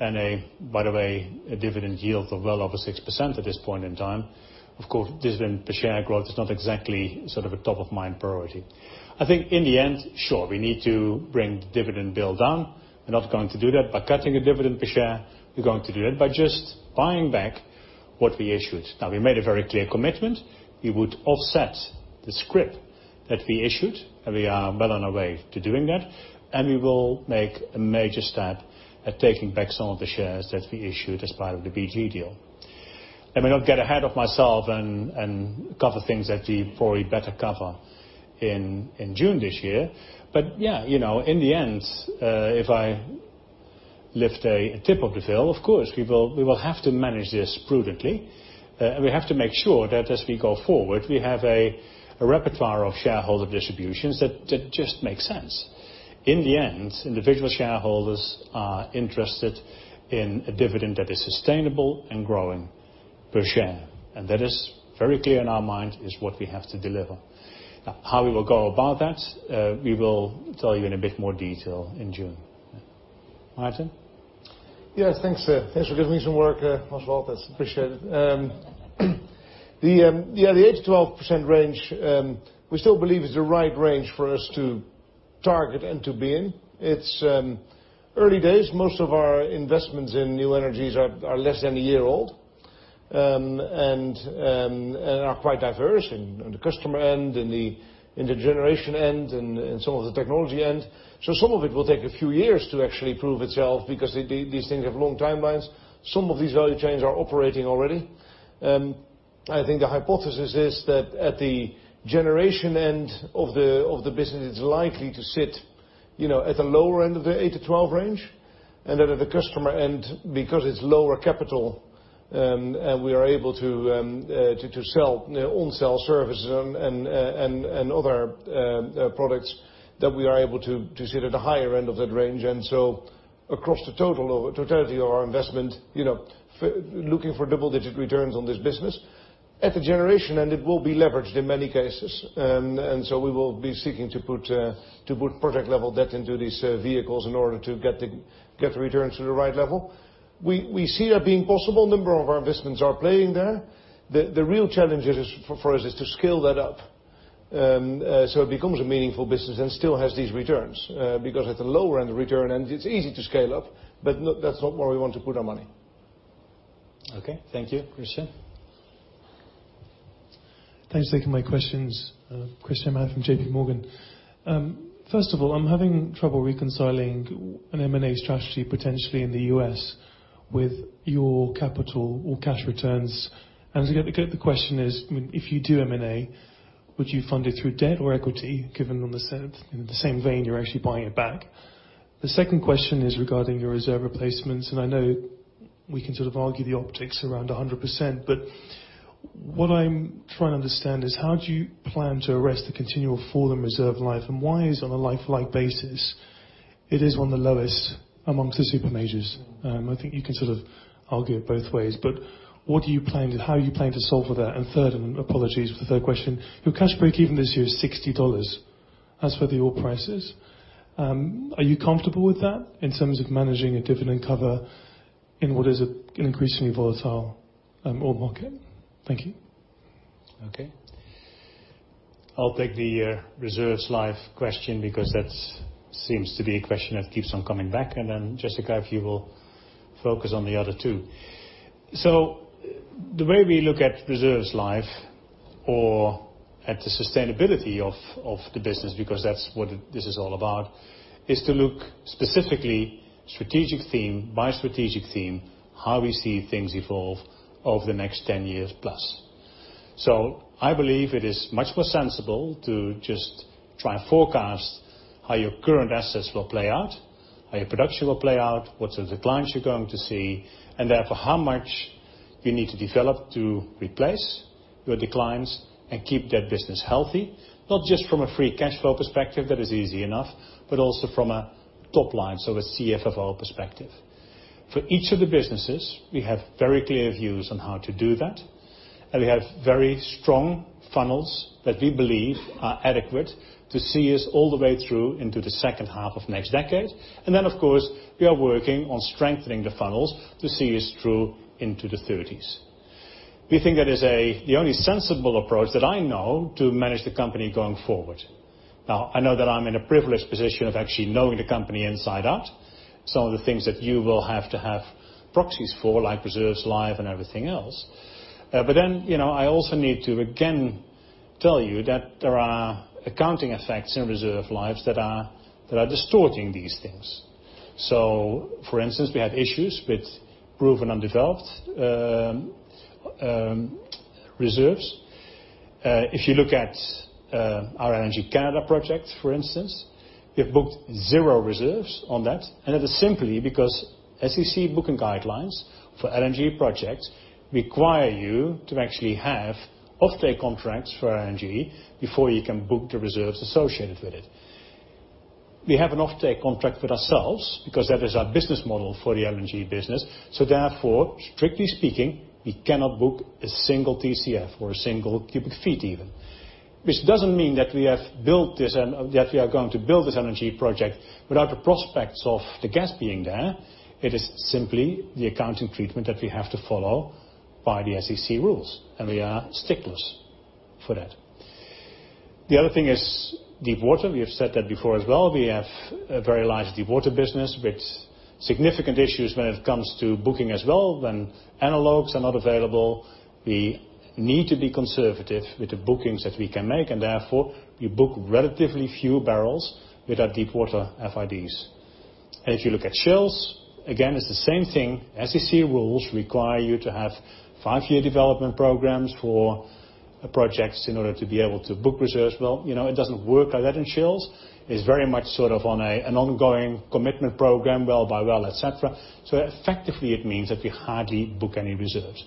and a, by the way, a dividend yield of well over 6% at this point in time, of course, dividend per share growth is not exactly sort of a top-of-mind priority. I think in the end, sure, we need to bring the dividend bill down. We're not going to do that by cutting a dividend per share. We're going to do that by just buying back what we issued. We made a very clear commitment. We would offset the scrip that we issued, and we are well on our way to doing that, and we will make a major step at taking back some of the shares that we issued as part of the BG deal. Let me not get ahead of myself and cover things that we probably better cover in June this year. Yeah, in the end, if I lift a tip of the veil, of course, we will have to manage this prudently. We have to make sure that as we go forward, we have a repertoire of shareholder distributions that just make sense. In the end, individual shareholders are interested in a dividend that is sustainable and growing per share. That is very clear in our minds is what we have to deliver. How we will go about that, we will tell you in a bit more detail in June. Maarten? Yes, thanks. Thanks for giving me some work, Oswald. That's appreciated. The 8%-12% range, we still believe is the right range for us to target and to be in. It's early days. Most of our investments in New Energies are less than a year old. Are quite diverse on the customer end, in the generation end, and some of the technology end. Some of it will take a few years to actually prove itself because these things have long timelines. Some of these value chains are operating already. I think the hypothesis is that at the generation end of the business, it's likely to sit at the lower end of the 8%-12% range. At the customer end, because it's lower capital and we are able to sell on sell services and other products, that we are able to sit at the higher end of that range. Across the totality of our investment, looking for double-digit returns on this business. At the generation end, it will be leveraged in many cases. We will be seeking to put project-level debt into these vehicles in order to get the returns to the right level. We see that being possible. A number of our investments are playing there. The real challenge for us is to scale that up so it becomes a meaningful business and still has these returns. At the lower end of return end, it's easy to scale up, that's not where we want to put our money. Okay. Thank you. Christyan. Thanks for taking my questions. Christyan Malek from JPMorgan. First of all, I'm having trouble reconciling an M&A strategy potentially in the U.S. with your capital or cash returns. The question is, if you do M&A, would you fund it through debt or equity, given in the same vein, you're actually buying it back? The second question is regarding your reserve replacements, I know we can sort of argue the optics around 100%, what I'm trying to understand is how do you plan to arrest the continual fall in reserve life, why is on a life basis it is one of the lowest amongst the super majors? I think you can sort of argue it both ways, how are you planning to solve for that? Third, and apologies for the third question, your cash break even this year is $60. As for the oil prices, are you comfortable with that in terms of managing a dividend cover in what is an increasingly volatile oil market? Thank you. Okay. I'll take the reserves life question because that seems to be a question that keeps on coming back, Jessica, if you will focus on the other two. The way we look at reserves life or at the sustainability of the business, because that's what this is all about, is to look specifically strategic theme by strategic theme, how we see things evolve over the next 10+ years. I believe it is much more sensible to just try and forecast how your current assets will play out, how your production will play out, what's the declines you're going to see, and therefore, how much you need to develop to replace your declines and keep that business healthy, not just from a free cash flow perspective that is easy enough, but also from a top line, so a CFFO perspective. For each of the businesses, we have very clear views on how to do that, we have very strong funnels that we believe are adequate to see us all the way through into the second half of next decade. Of course, we are working on strengthening the funnels to see us through into the '30s. We think that is the only sensible approach that I know to manage the company going forward. I know that I'm in a privileged position of actually knowing the company inside out. Some of the things that you will have to have proxies for, like reserves life and everything else. I also need to again tell you that there are accounting effects in reserve lives that are distorting these things. For instance, we have issues with proven undeveloped reserves. If you look at our LNG Canada project, for instance, we have booked zero reserves on that. It is simply because SEC booking guidelines for LNG projects require you to actually have offtake contracts for LNG before you can book the reserves associated with it. We have an offtake contract with ourselves because that is our business model for the LNG business. Therefore, strictly speaking, we cannot book a single TCF or a single cubic feet even, which doesn't mean that we are going to build this LNG project without the prospects of the gas being there. It is simply the accounting treatment that we have to follow by the SEC rules, and we are sticklers for that. The other thing is deep water. We have said that before as well. We have a very large deep water business with significant issues when it comes to booking as well. When analogs are not available, we need to be conservative with the bookings that we can make, and therefore, we book relatively few barrels with our deep water FIDs. If you look at Shales, again, it's the same thing. SEC rules require you to have five-year development programs for projects in order to be able to book reserves. Well, it doesn't work like that in Shales. It's very much sort of on an ongoing commitment program, well by well, et cetera. Effectively, it means that we hardly book any reserves.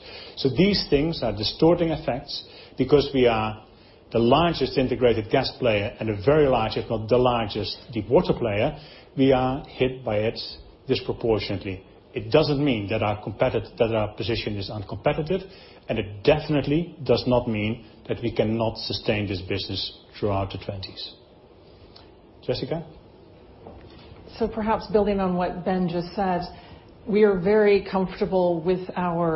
These things are distorting effects because we are the largest integrated gas player and a very large, if not the largest deep water player. We are hit by it disproportionately. It doesn't mean that our position is uncompetitive, and it definitely does not mean that we cannot sustain this business throughout the '20s. Jessica? Perhaps building on what Ben just said, we are very comfortable with our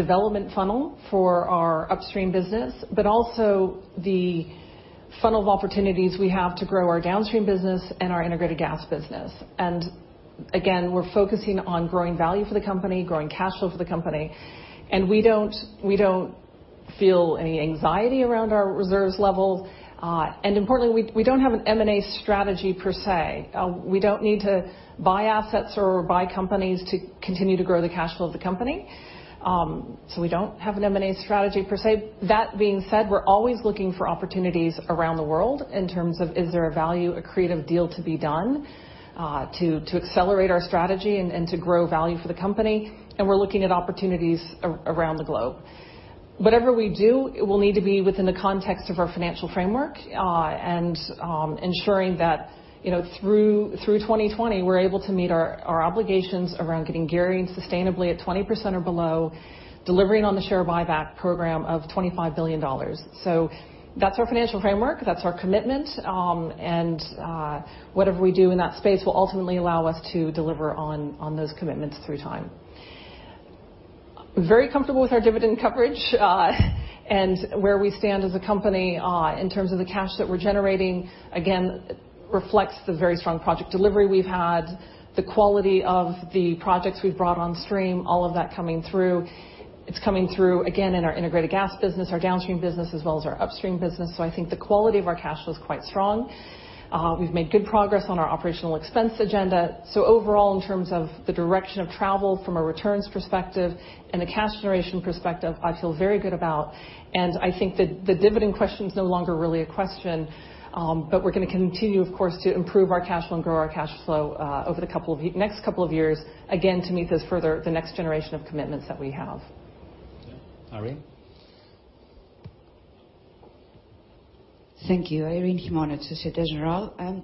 development funnel for our upstream business, but also the funnel of opportunities we have to grow our downstream business and our integrated gas business. Again, we're focusing on growing value for the company, growing cash flow for the company, and we don't feel any anxiety around our reserves levels. Importantly, we don't have an M&A strategy per se. We don't need to buy assets or buy companies to continue to grow the cash flow of the company. We don't have an M&A strategy per se. That being said, we're always looking for opportunities around the world in terms of, is there a value, a creative deal to be done, to accelerate our strategy and to grow value for the company. We're looking at opportunities around the globe. Whatever we do, it will need to be within the context of our financial framework, ensuring that through 2020, we're able to meet our obligations around getting gearing sustainably at 20% or below, delivering on the share buyback program of $25 billion. That's our financial framework. That's our commitment. Whatever we do in that space will ultimately allow us to deliver on those commitments through time. Very comfortable with our dividend coverage and where we stand as a company in terms of the cash that we're generating, again, reflects the very strong project delivery we've had, the quality of the projects we've brought on stream, all of that coming through. It's coming through, again, in our integrated gas business, our downstream business, as well as our upstream business. I think the quality of our cash flow is quite strong. We've made good progress on our operational expense agenda. Overall, in terms of the direction of travel from a returns perspective and a cash generation perspective, I feel very good about. I think that the dividend question is no longer really a question. We're going to continue, of course, to improve our cash flow and grow our cash flow over the next couple of years, again, to meet the next generation of commitments that we have. Okay. Irene? Thank you. Irene Himona, Société Générale.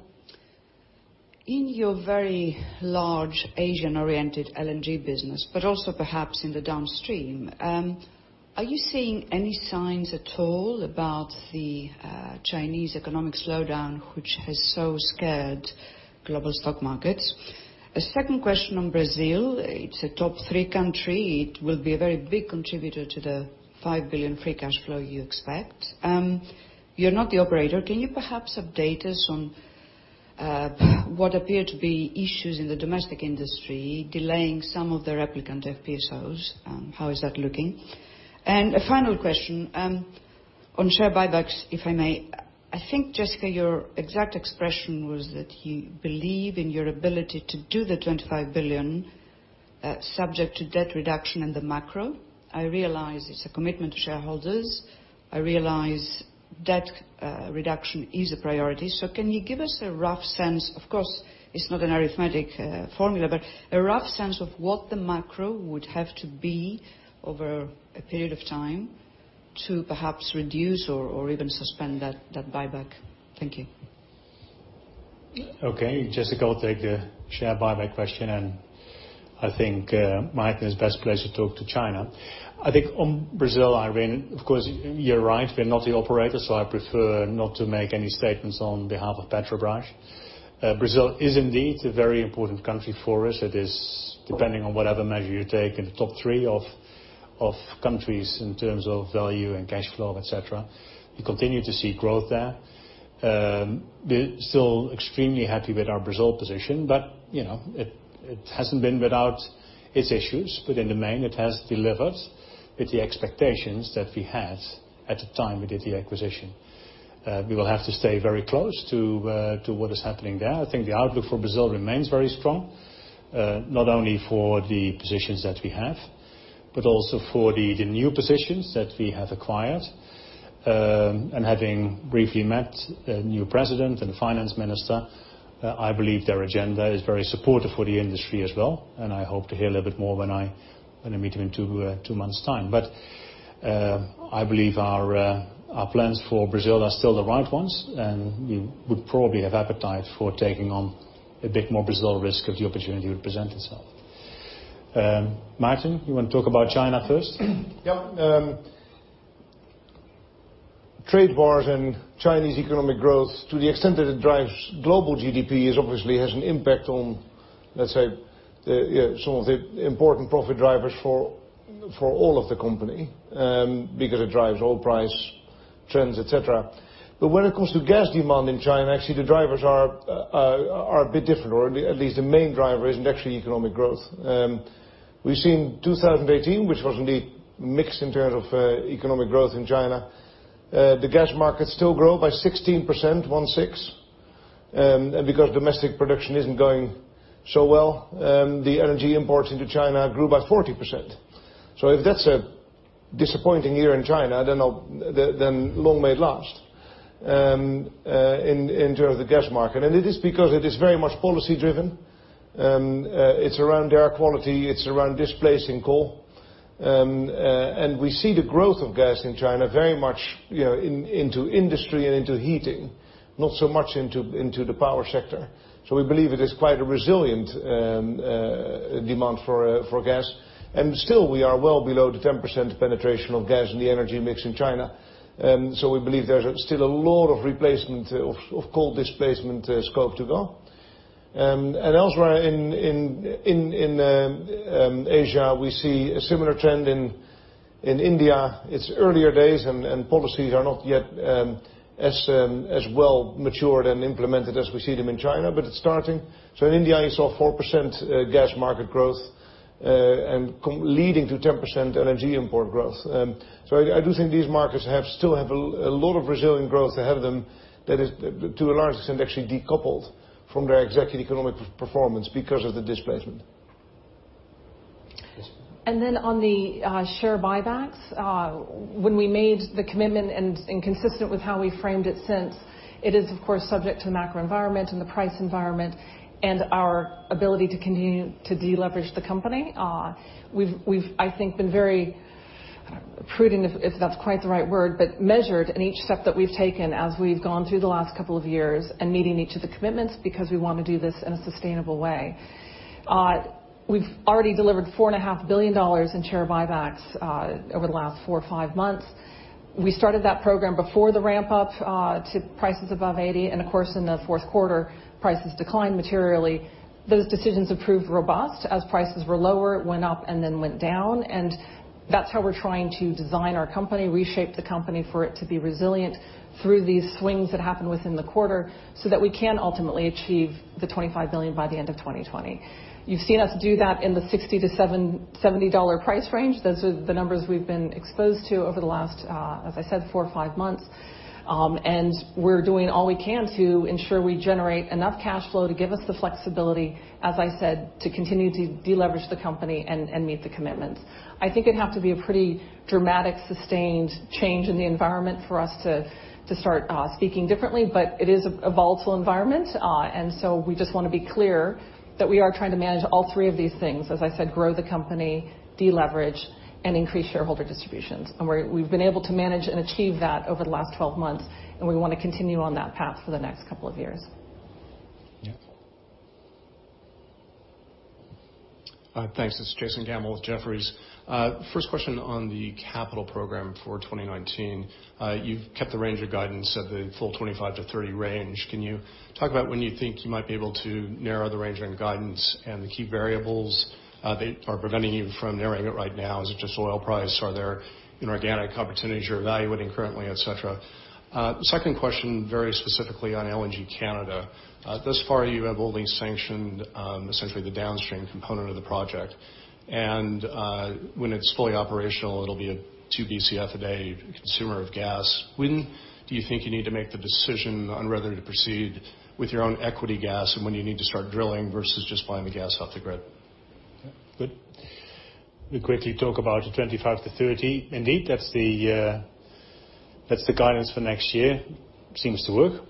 In your very large Asian-oriented LNG business, but also perhaps in the downstream, are you seeing any signs at all about the Chinese economic slowdown, which has so scared global stock markets? A second question on Brazil. It's a top three country. It will be a very big contributor to the $5 billion free cash flow you expect. You're not the operator. Can you perhaps update us on what appear to be issues in the domestic industry, delaying some of the replicant FPSOs? How is that looking? A final question. On share buybacks, if I may. I think, Jessica, your exact expression was that you believe in your ability to do the $25 billion subject to debt reduction in the macro. I realize it's a commitment to shareholders. I realize debt reduction is a priority. Can you give us a rough sense, of course, it's not an arithmetic formula, but a rough sense of what the macro would have to be over a period of time to perhaps reduce or even suspend that buyback? Thank you. Okay, Jessica will take the share buyback question, and I think Maarten is best placed to talk to China. I think on Brazil, Irene, of course, you're right. We're not the operator, so I prefer not to make any statements on behalf of Petrobras. Brazil is indeed a very important country for us. It is, depending on whatever measure you take, in the top three of countries in terms of value and cash flow, et cetera. We continue to see growth there. We're still extremely happy with our Brazil position, but it hasn't been without its issues, but in the main, it has delivered with the expectations that we had at the time we did the acquisition. We will have to stay very close to what is happening there. I think the outlook for Brazil remains very strong, not only for the positions that we have, but also for the new positions that we have acquired. Having briefly met the new president and finance minister, I believe their agenda is very supportive for the industry as well, and I hope to hear a little bit more when I meet him in two months' time. I believe our plans for Brazil are still the right ones, and we would probably have appetite for taking on a bit more Brazil risk if the opportunity would present itself. Maarten, you want to talk about China first? Yeah. Trade wars, Chinese economic growth, to the extent that it drives global GDP, obviously has an impact on, let's say, some of the important profit drivers for all of the company, because it drives oil price trends, et cetera. When it comes to gas demand in China, actually the drivers are a bit different, or at least the main driver isn't actually economic growth. We've seen 2018, which was indeed mixed in terms of economic growth in China. The gas market still grew by 16%. Because domestic production isn't going so well, the LNG imports into China grew by 40%. If that's a disappointing year in China, then long may it last in terms of the gas market. It is because it is very much policy driven. It's around air quality. It's around displacing coal. We see the growth of gas in China very much into industry and into heating, not so much into the power sector. We believe it is quite a resilient demand for gas. Still, we are well below the 10% penetration of gas in the energy mix in China. We believe there's still a lot of replacement of coal displacement scope to go. Elsewhere in Asia, we see a similar trend in India. It's earlier days. Policies are not yet as well matured and implemented as we see them in China, but it's starting. In India, you saw 4% gas market growth leading to 10% energy import growth. I do think these markets still have a lot of resilient growth ahead of them that is, to a large extent, actually decoupled from their exact economic performance because of the displacement. Jessica. On the share buybacks, when we made the commitment and consistent with how we framed it since, it is, of course, subject to macro environment and the price environment and our ability to continue to deleverage the company. We've, I think, been very prudent, if that's quite the right word, but measured in each step that we've taken as we've gone through the last couple of years and meeting each of the commitments because we want to do this in a sustainable way. We've already delivered $4.5 billion in share buybacks over the last four or five months. We started that program before the ramp up to prices above $80, and of course, in the fourth quarter, prices declined materially. Those decisions have proved robust. As prices were lower, it went up and then went down. That's how we're trying to design our company, reshape the company for it to be resilient through these swings that happen within the quarter so that we can ultimately achieve the $25 billion by the end of 2020. You've seen us do that in the $60-$70 price range. Those are the numbers we've been exposed to over the last, as I said, four or five months. We're doing all we can to ensure we generate enough cash flow to give us the flexibility, as I said, to continue to deleverage the company and meet the commitments. I think it'd have to be a pretty dramatic, sustained change in the environment for us to start speaking differently. It is a volatile environment, we just want to be clear that we are trying to manage all three of these things, as I said, grow the company, deleverage and increase shareholder distributions. We've been able to manage and achieve that over the last 12 months, we want to continue on that path for the next couple of years. Yeah Thanks. This is Jason Gammel with Jefferies. First question on the capital program for 2019. You've kept the range of guidance at the full $25 million-$30 million range. Can you talk about when you think you might be able to narrow the range on guidance and the key variables that are preventing you from narrowing it right now? Is it just oil price? Are there inorganic opportunities you're evaluating currently, et cetera? Second question, very specifically on LNG Canada. Thus far, you have only sanctioned, essentially, the downstream component of the project. When it's fully operational, it'll be a 2 BCF a day consumer of gas. When do you think you need to make the decision on whether to proceed with your own equity gas and when you need to start drilling versus just buying the gas off the grid? Good. We quickly talk about the 25 to 30. Indeed, that's the guidance for next year. Seems to work.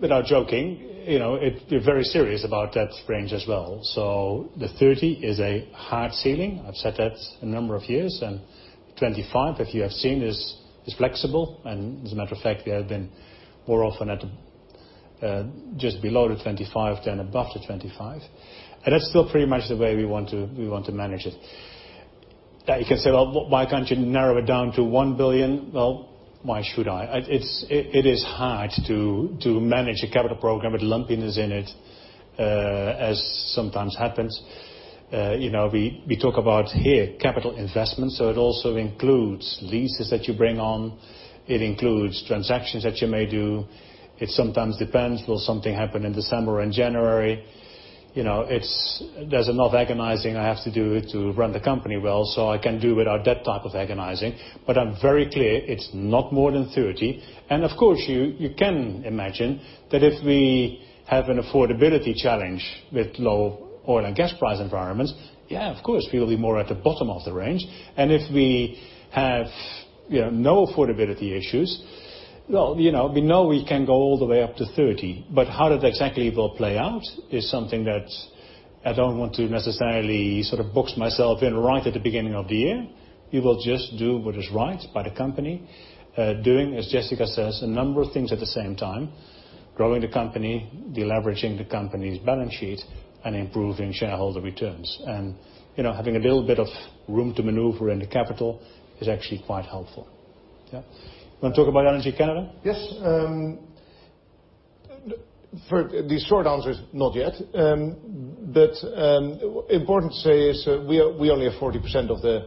Without joking, we're very serious about that range as well. The 30 is a hard ceiling. I've said that a number of years. 25, if you have seen, is flexible. As a matter of fact, we have been more often at just below the 25 than above the 25. That's still pretty much the way we want to manage it. That you can say, "Well, why can't you narrow it down to $1 billion?" Well, why should I? It is hard to manage a capital program with lumpiness in it, as sometimes happens. We talk about, here, capital investments, so it also includes leases that you bring on. It includes transactions that you may do. It sometimes depends. Will something happen in December or in January? There's enough agonizing I have to do to run the company well, I can do without that type of agonizing. I'm very clear, it's not more than 30. Of course, you can imagine that if we have an affordability challenge with low oil and gas price environments, yeah, of course, we will be more at the bottom of the range. If we have no affordability issues, well, we know we can go all the way up to 30. How that exactly will play out is something that I don't want to necessarily sort of box myself in right at the beginning of the year. We will just do what is right by the company. Doing, as Jessica says, a number of things at the same time, growing the company, de-leveraging the company's balance sheet, and improving shareholder returns. Having a little bit of room to maneuver in the capital is actually quite helpful. Yeah. You want to talk about LNG Canada? Yes. The short answer is not yet. Important to say is we only have 40% of the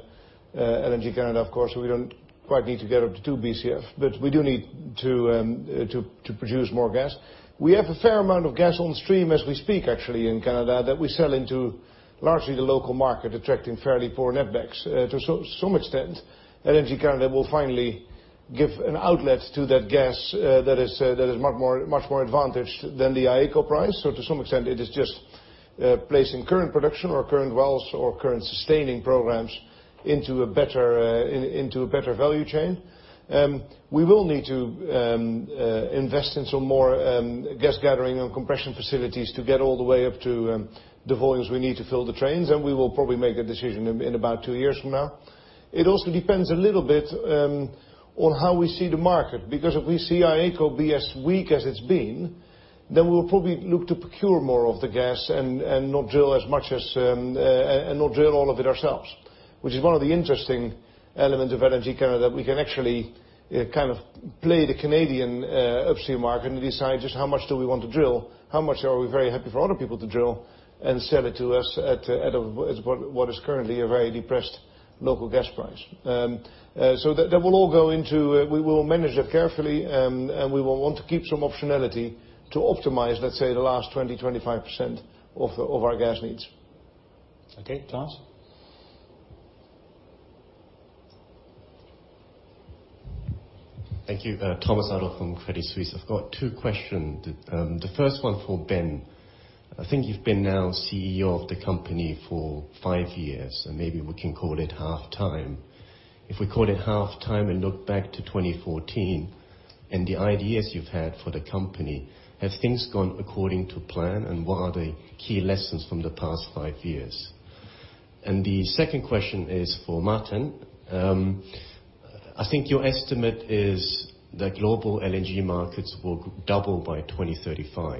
LNG Canada, of course. We don't quite need to get up to 2 BCF, but we do need to produce more gas. We have a fair amount of gas on stream as we speak, actually, in Canada, that we sell into largely the local market, attracting fairly poor Netbacks. To some extent, LNG Canada will finally give an outlet to that gas that is much more advantaged than the AECO price. To some extent, it is just placing current production or current wells or current sustaining programs into a better value chain. We will need to invest in some more gas gathering and compression facilities to get all the way up to the volumes we need to fill the trains, and we will probably make a decision in about two years from now. It also depends a little bit on how we see the market, because if we see AECO be as weak as it's been, then we will probably look to procure more of the gas and not drill all of it ourselves, which is one of the interesting elements of LNG Canada. We can actually kind of play the Canadian upstream market and decide just how much do we want to drill, how much are we very happy for other people to drill and sell it to us at what is currently a very depressed local gas price. We will manage that carefully, and we will want to keep some optionality to optimize, let's say, the last 20%, 25% of our gas needs. Okay. Thomas? Thank you. Thomas Adolff from Credit Suisse. I've got two questions. The first one for Ben. I think you've been now CEO of the company for five years, maybe we can call it half-time. If we call it half-time and look back to 2014 and the ideas you've had for the company, have things gone according to plan? What are the key lessons from the past five years? The second question is for Maarten. I think your estimate is that global LNG markets will double by 2035.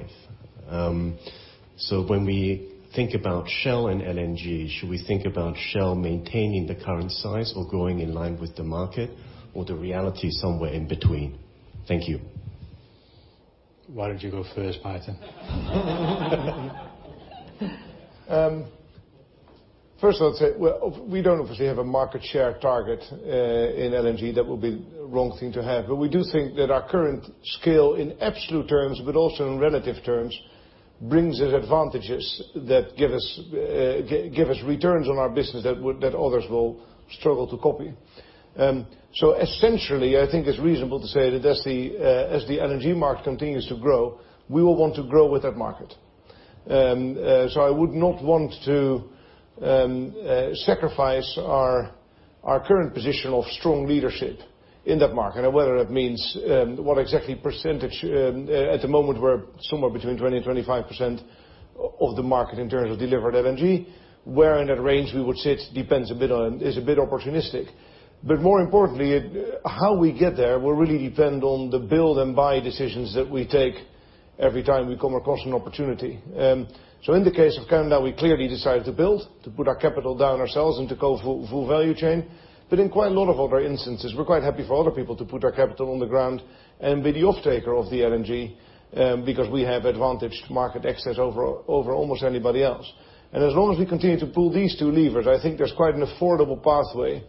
When we think about Shell and LNG, should we think about Shell maintaining the current size or growing in line with the market, or the reality is somewhere in between? Thank you. Why don't you go first, Maarten? First of all, I'd say, we don't obviously have a market share target in LNG. That would be the wrong thing to have. We do think that our current scale, in absolute terms but also in relative terms, brings us advantages that give us returns on our business that others will struggle to copy. Essentially, I think it's reasonable to say that as the LNG market continues to grow, we will want to grow with that market. I would not want to sacrifice our current position of strong leadership in that market. Whether that means what exactly percentage. At the moment, we're somewhere between 20%-25% of the market in terms of delivered LNG. Where in that range we would sit is a bit opportunistic. How we get there will really depend on the build and buy decisions that we take every time we come across an opportunity. In the case of Canada, we clearly decided to build, to put our capital down ourselves and to go full value chain. In quite a lot of other instances, we're quite happy for other people to put their capital on the ground and be the off-taker of the LNG, because we have advantaged market access over almost anybody else. As long as we continue to pull these two levers, I think there's quite an affordable pathway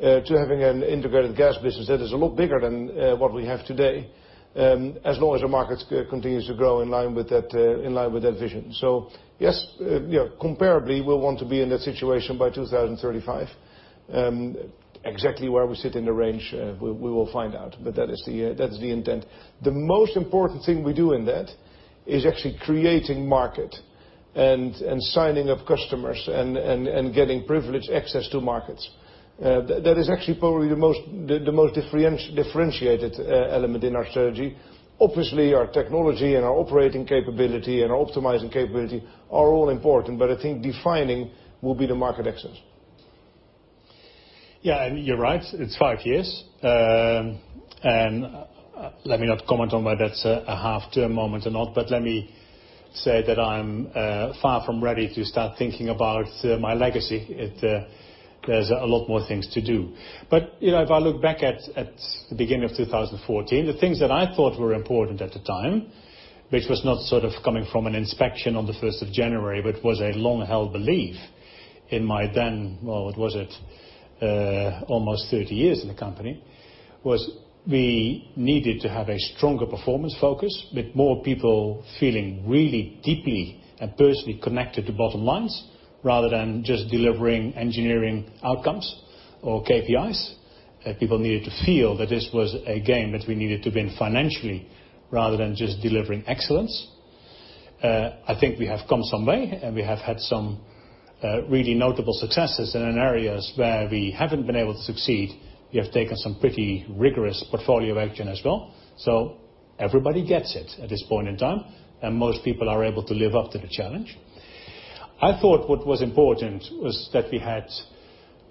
to having an integrated gas business that is a lot bigger than what we have today, as long as the market continues to grow in line with that vision. Yes, comparably, we'll want to be in that situation by 2035. Exactly where we sit in the range, we will find out, but that is the intent. The most important thing we do in that is actually creating market and signing up customers and getting privileged access to markets. That is actually probably the most differentiated element in our strategy. Obviously, our technology and our operating capability and our optimizing capability are all important, but I think defining will be the market access. You're right, it's five years. Let me not comment on whether that's a half-term moment or not, but let me say that I'm far from ready to start thinking about my legacy. There's a lot more things to do. If I look back at the beginning of 2014, the things that I thought were important at the time, which was not sort of coming from an inspection on the 1st of January, but was a long-held belief in my then, what was it, almost 30 years in the company, was we needed to have a stronger performance focus with more people feeling really deeply and personally connected to bottom lines rather than just delivering engineering outcomes or KPIs. That people needed to feel that this was a game that we needed to win financially rather than just delivering excellence. I think we have come some way, and we have had some really notable successes. In areas where we haven't been able to succeed, we have taken some pretty rigorous portfolio action as well. Everybody gets it at this point in time, and most people are able to live up to the challenge. I thought what was important was that we had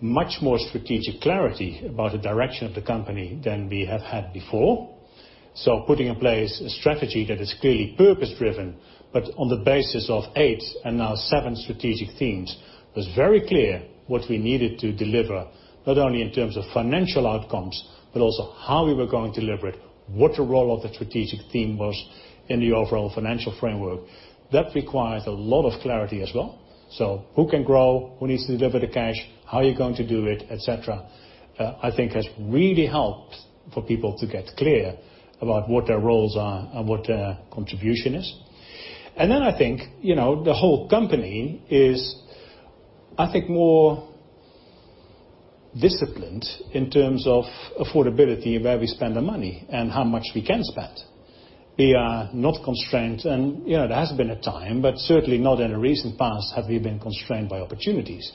much more strategic clarity about the direction of the company than we have had before. Putting in place a strategy that is clearly purpose driven, but on the basis of eight and now seven strategic themes, was very clear what we needed to deliver, not only in terms of financial outcomes, but also how we were going to deliver it, what the role of the strategic theme was in the overall financial framework. That requires a lot of clarity as well. Who can grow, who needs to deliver the cash, how are you going to do it, et cetera, I think has really helped for people to get clear about what their roles are and what their contribution is. I think the whole company is more disciplined in terms of affordability of where we spend the money and how much we can spend. We are not constrained, and there has been a time, but certainly not in the recent past have we been constrained by opportunities.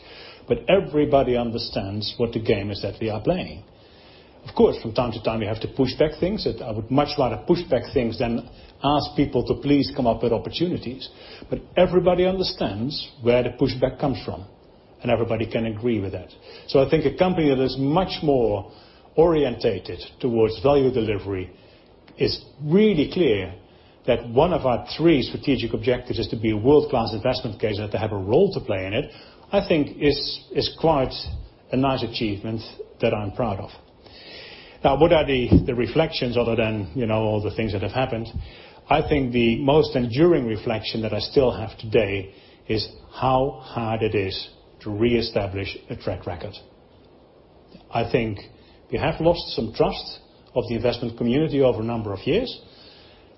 Everybody understands what the game is that we are playing. Of course, from time to time, we have to push back things. I would much rather push back things than ask people to please come up with opportunities. Everybody understands where the pushback comes from, and everybody can agree with that. I think a company that is much more oriented towards value delivery is really clear that one of our three strategic objectives is to be a world-class investment case and to have a role to play in it, I think is quite a nice achievement that I'm proud of. Now what are the reflections other than all the things that have happened? I think the most enduring reflection that I still have today is how hard it is to reestablish a track record. I think we have lost some trust of the investment community over a number of years.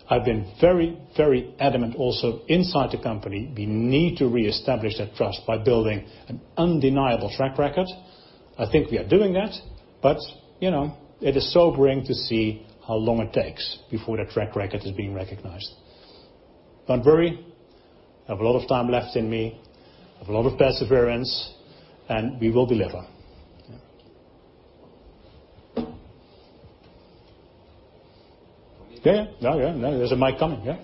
I've been very adamant also inside the company, we need to reestablish that trust by building an undeniable track record. I think we are doing that, but it is sobering to see how long it takes before that track record is being recognized. Don't worry, I have a lot of time left in me, I have a lot of perseverance, and we will deliver. Yeah. No, there's a mic coming. Yeah.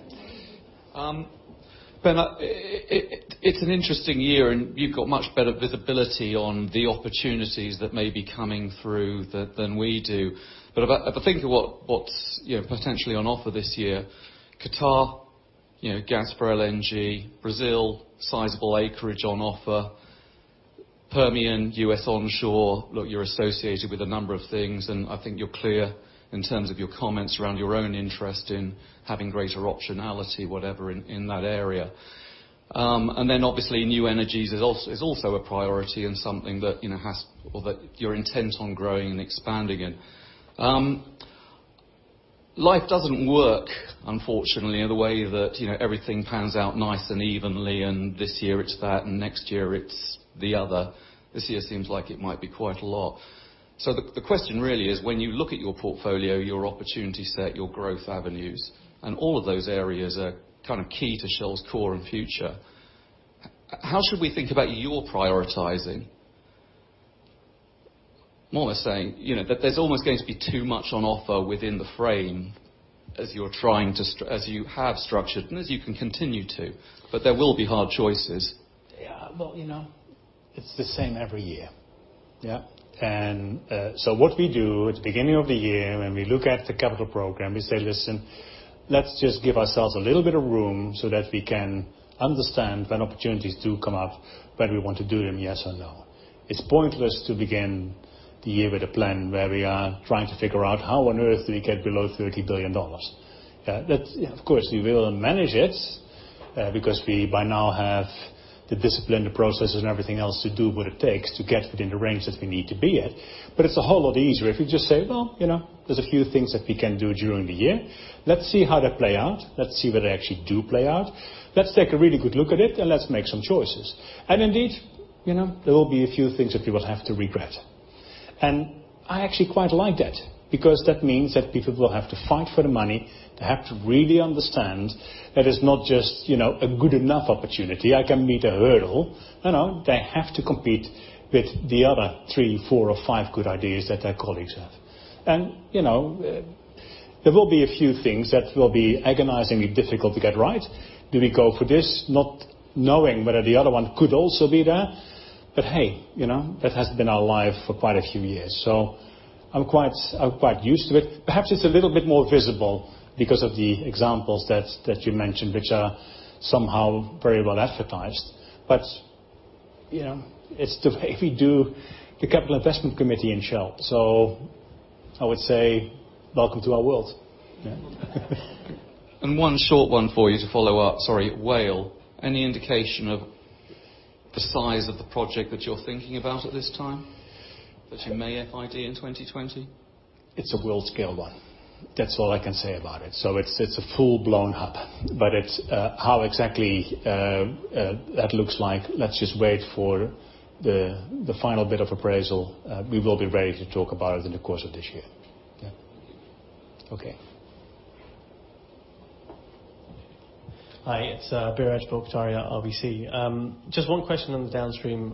Ben, it's an interesting year, and you've got much better visibility on the opportunities that may be coming through than we do. If I think of what's potentially on offer this year, Qatar, [GasForLNG], Brazil, sizable acreage on offer, Permian, U.S. onshore. Look, you're associated with a number of things, and I think you're clear in terms of your comments around your own interest in having greater optionality, whatever, in that area. Obviously, new energies is also a priority and something that you're intent on growing and expanding in. Life doesn't work, unfortunately, in the way that everything pans out nice and evenly and this year it's that and next year it's the other. This year seems like it might be quite a lot. The question really is when you look at your portfolio, your opportunity set, your growth avenues, and all of those areas are kind of key to Shell's core and future, how should we think about your prioritizing? More or less saying that there's almost going to be too much on offer within the frame as you have structured and as you can continue to, but there will be hard choices. Well, it's the same every year. What we do at the beginning of the year, when we look at the capital program, we say, "Listen, let's just give ourselves a little bit of room so that we can understand when opportunities do come up, whether we want to do them, yes or no." It's pointless to begin the year with a plan where we are trying to figure out how on earth do we get below $30 billion. Of course, we will manage it, because we by now have the discipline, the processes, and everything else to do what it takes to get within the range that we need to be at. It's a whole lot easier if you just say, "Well, there's a few things that we can do during the year. Let's see how they play out. Let's see whether they actually do play out. Let's take a really good look at it and let's make some choices." Indeed, there will be a few things that we will have to regret. I actually quite like that, because that means that people will have to fight for the money. They have to really understand that it's not just a good enough opportunity, I can meet a hurdle. No, they have to compete with the other three, four or five good ideas that their colleagues have. There will be a few things that will be agonizingly difficult to get right. Do we go for this, not knowing whether the other one could also be there? Hey, that has been our life for quite a few years, so I'm quite used to it. Perhaps it's a little bit more visible because of the examples that you mentioned, which are somehow very well advertised. It's the way we do the capital investment committee in Shell. I would say welcome to our world. Yeah. One short one for you to follow up. Sorry, Whale. Any indication of the size of the project that you're thinking about at this time, that you may FID in 2020? It's a world-scale one. That's all I can say about it. It's a full-blown hub. How exactly that looks like, let's just wait for the final bit of appraisal. We will be ready to talk about it in the course of this year. Yeah. Okay. Hi, it's Biraj Borkhataria, RBC. Just one question on the Downstream.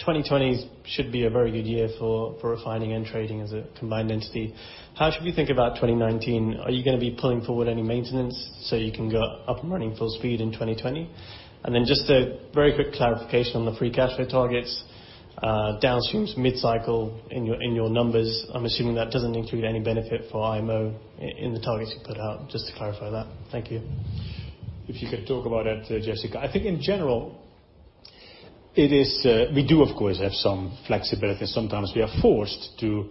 2020 should be a very good year for refining and trading as a combined entity. How should we think about 2019? Are you going to be pulling forward any maintenance so you can go up and running full speed in 2020? Just a very quick clarification on the free cash flow targets. Downstream's mid-cycle in your numbers. I'm assuming that doesn't include any benefit for IMO in the targets you put out. Just to clarify that. Thank you. If you could talk about it, Jessica. I think in general, we do of course have some flexibility. Sometimes we are forced to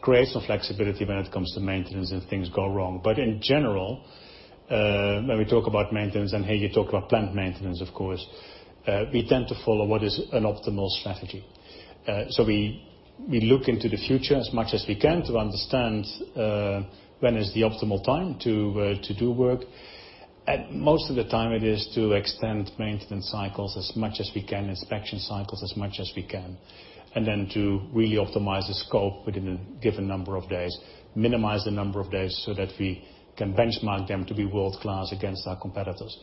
create some flexibility when it comes to maintenance and things go wrong. In general, when we talk about maintenance and here you talk about plant maintenance of course, we tend to follow what is an optimal strategy. We look into the future as much as we can to understand when is the optimal time to do work. Most of the time it is to extend maintenance cycles as much as we can, inspection cycles as much as we can, and then to really optimize the scope within a given number of days. Minimize the number of days so that we can benchmark them to be world-class against our competitors.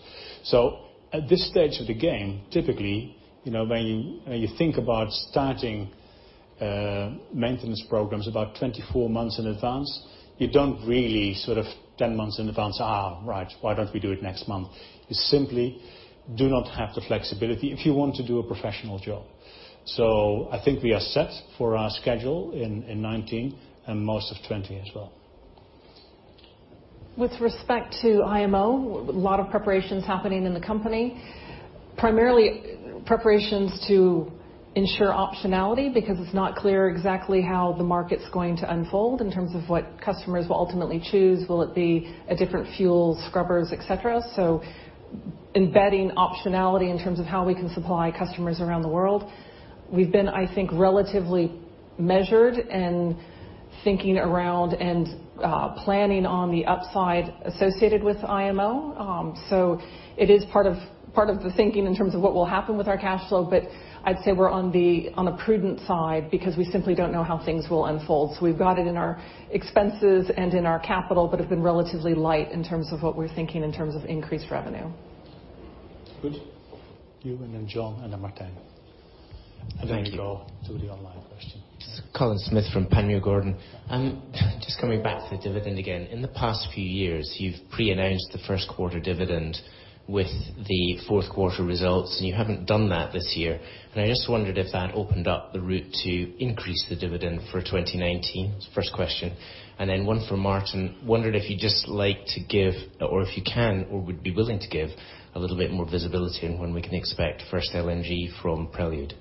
At this stage of the game, typically, when you think about starting maintenance programs about 24 months in advance, you don't really sort of 10 months in advance, "Right. Why don't we do it next month?" You simply do not have the flexibility if you want to do a professional job. I think we are set for our schedule in 2019 and most of 2020 as well. With respect to IMO, a lot of preparations happening in the company, primarily preparations to ensure optionality because it's not clear exactly how the market's going to unfold in terms of what customers will ultimately choose. Will it be a different fuel, scrubbers, et cetera? Embedding optionality in terms of how we can supply customers around the world. We've been, I think, relatively measured in thinking around and planning on the upside associated with IMO. It is part of the thinking in terms of what will happen with our cash flow, but I'd say we're on the prudent side because we simply don't know how things will unfold. We've got it in our expenses and in our capital but have been relatively light in terms of what we're thinking in terms of increased revenue. Good. You and then Jon and then Martijn. Then we go to the online question. This is Colin Smith from Panmure Gordon. Just coming back to the dividend again. In the past few years, you've pre-announced the first quarter dividend with the fourth quarter results, you haven't done that this year. I just wondered if that opened up the route to increase the dividend for 2019? First question. Then one for Maarten. Wondered if you'd just like to give or if you can or would be willing to give a little bit more visibility on when we can expect first LNG from Prelude.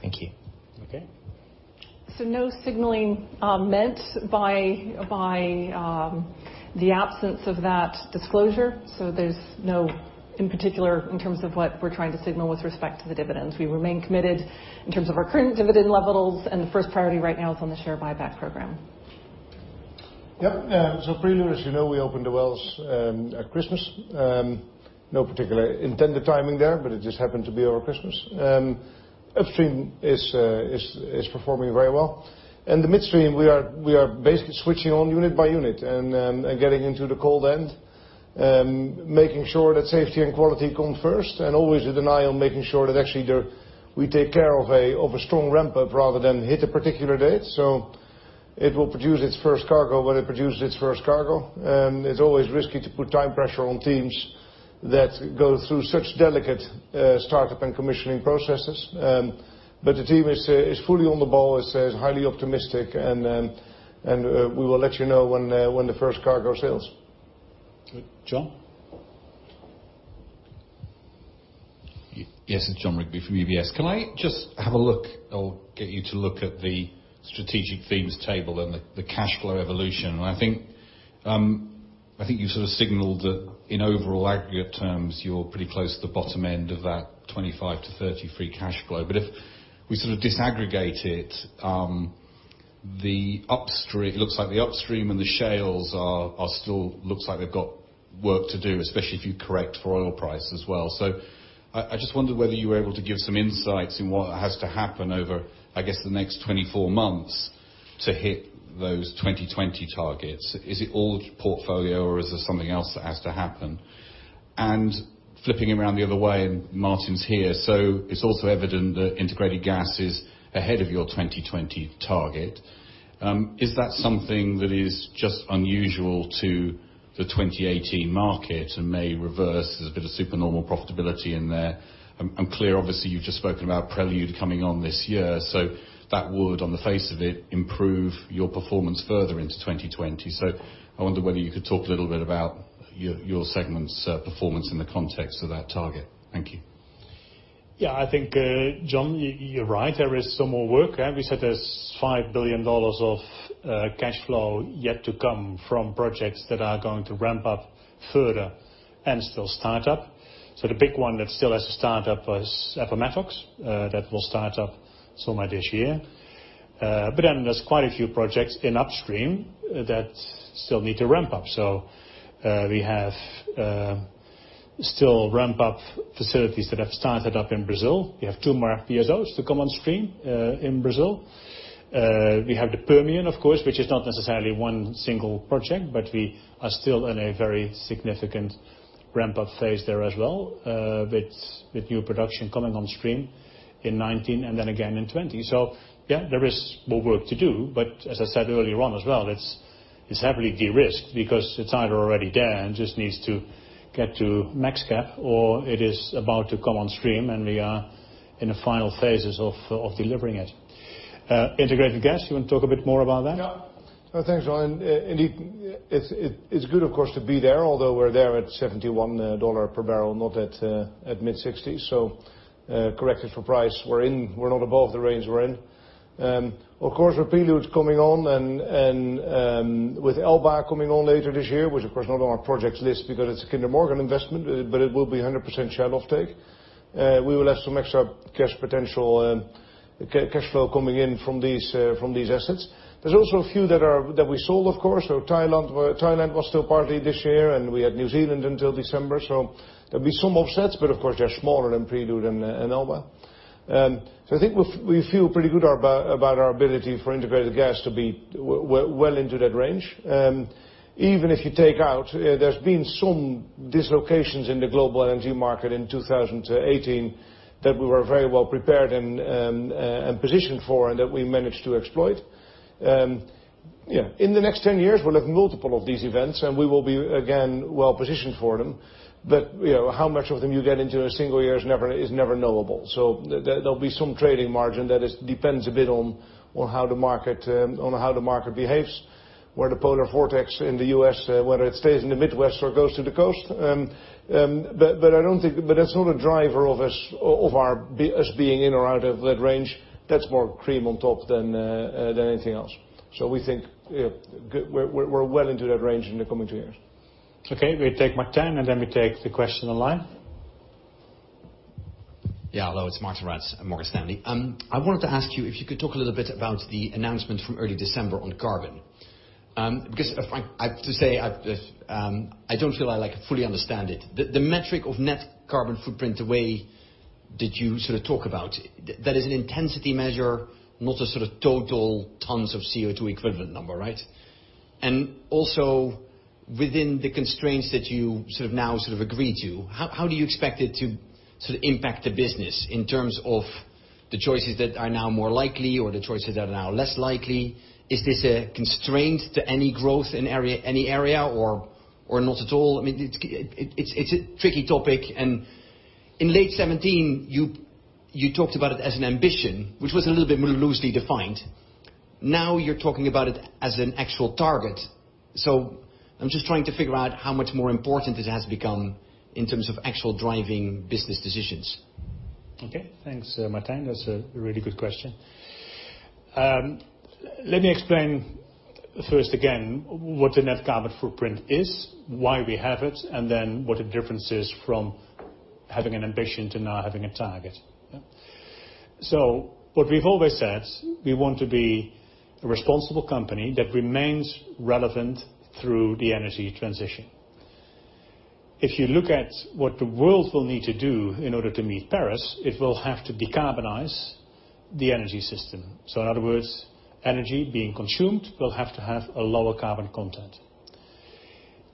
Thank you. Okay. No signaling meant by the absence of that disclosure. There's no, in particular, in terms of what we're trying to signal with respect to the dividends. We remain committed in terms of our current dividend levels and the first priority right now is on the share buyback program. Yep. Prelude, as you know, we opened the wells at Christmas. No particular intended timing there, but it just happened to be over Christmas. Upstream is performing very well. The midstream we are basically switching on unit by unit and getting into the cold end, making sure that safety and quality come first and always with an eye on making sure that actually we take care of a strong ramp up rather than hit a particular date. It will produce its first cargo when it produces its first cargo. It's always risky to put time pressure on teams that go through such delicate startup and commissioning processes. The team is fully on the ball, is highly optimistic, and we will let you know when the first cargo sails. Jon? Yes. It's Jon Rigby from UBS. Can I just have a look or get you to look at the strategic themes table and the cash flow evolution? I think you signaled that in overall aggregate terms, you're pretty close to the bottom end of that 25-30 free cash flow. If we disaggregate it looks like the upstream and the shales still have work to do, especially if you correct for oil price as well. I just wondered whether you were able to give some insights in what has to happen over, I guess, the next 24 months to hit those 2020 targets. Is it all portfolio or is there something else that has to happen? Flipping it around the other way, and Maarten's here, it's also evident that Integrated Gas is ahead of your 2020 target. Is that something that is just unusual to the 2018 market and may reverse? There's a bit of super normal profitability in there. I'm clear, obviously, you've just spoken about Prelude coming on this year, that would, on the face of it, improve your performance further into 2020. I wonder whether you could talk a little bit about your segment's performance in the context of that target. Thank you. Yeah, I think, Jon, you're right. There is some more work. We said there's $5 billion of cash flow yet to come from projects that are going to ramp up further and still start up. The big one that still has to start up is Appomattox. That will start up sometime this year. Then there's quite a few projects in upstream that still need to ramp up. We have to still ramp up facilities that have started up in Brazil. We have two more FPSOs to come on stream in Brazil. We have the Permian, of course, which is not necessarily one single project, but we are still in a very significant ramp-up phase there as well, with new production coming on stream in 2019 and then again in 2020. Yeah, there is more work to do. As I said earlier on as well, it's heavily de-risked because it's either already there and just needs to get to max cap or it is about to come on stream and we are in the final phases of delivering it. Integrated Gas, you want to talk a bit more about that? Thanks, Jon. Indeed, it's good, of course, to be there, although we're there at $71/bbl, not at mid-60. Corrected for price, we're not above the range we're in. Of course, with Prelude coming on and with Elba coming on later this year, which of course is not on our projects list because it's a Kinder Morgan investment, but it will be 100% Shell offtake. We will have some extra cash flow coming in from these assets. There's also a few that we sold, of course. Thailand was still partly this year, and we had New Zealand until December. There'll be some offsets, but of course, they're smaller than Prelude and Elba. I think we feel pretty good about our ability for integrated gas to be well into that range. Even if you take out, there's been some dislocations in the global energy market in 2018 that we were very well prepared and positioned for and that we managed to exploit. In the next 10 years, we'll have multiple of these events and we will be again, well positioned for them. How much of them you get into in a single year is never knowable. There'll be some trading margin that depends a bit on how the market behaves, where the polar vortex in the U.S., whether it stays in the Midwest or goes to the coast. That's not a driver of us being in or out of that range. That's more cream on top than anything else. We think we're well into that range in the coming two years. Okay. We take Martijn and then we take the question online. Hello. It's Martijn Rats from Morgan Stanley. I wanted to ask you if you could talk a little bit about the announcement from early December on carbon. To say, I don't feel I fully understand it. The metric of net carbon footprint, the way that you sort of talk about, that is an intensity measure, not a sort of total tons of CO2 equivalent number, right? Within the constraints that you now sort of agree to, how do you expect it to impact the business in terms of the choices that are now more likely or the choices that are now less likely? Is this a constraint to any growth in any area or not at all? It's a tricky topic, and in late 2017 you talked about it as an ambition, which was a little bit loosely defined. Now you're talking about it as an actual target. I'm just trying to figure out how much more important this has become in terms of actual driving business decisions. Okay. Thanks, Martin. That's a really good question. Let me explain first again what the net carbon footprint is, why we have it, and then what the difference is from having an ambition to now having a target. What we've always said, we want to be a responsible company that remains relevant through the energy transition. If you look at what the world will need to do in order to meet Paris, it will have to decarbonize the energy system. In other words, energy being consumed will have to have a lower carbon content.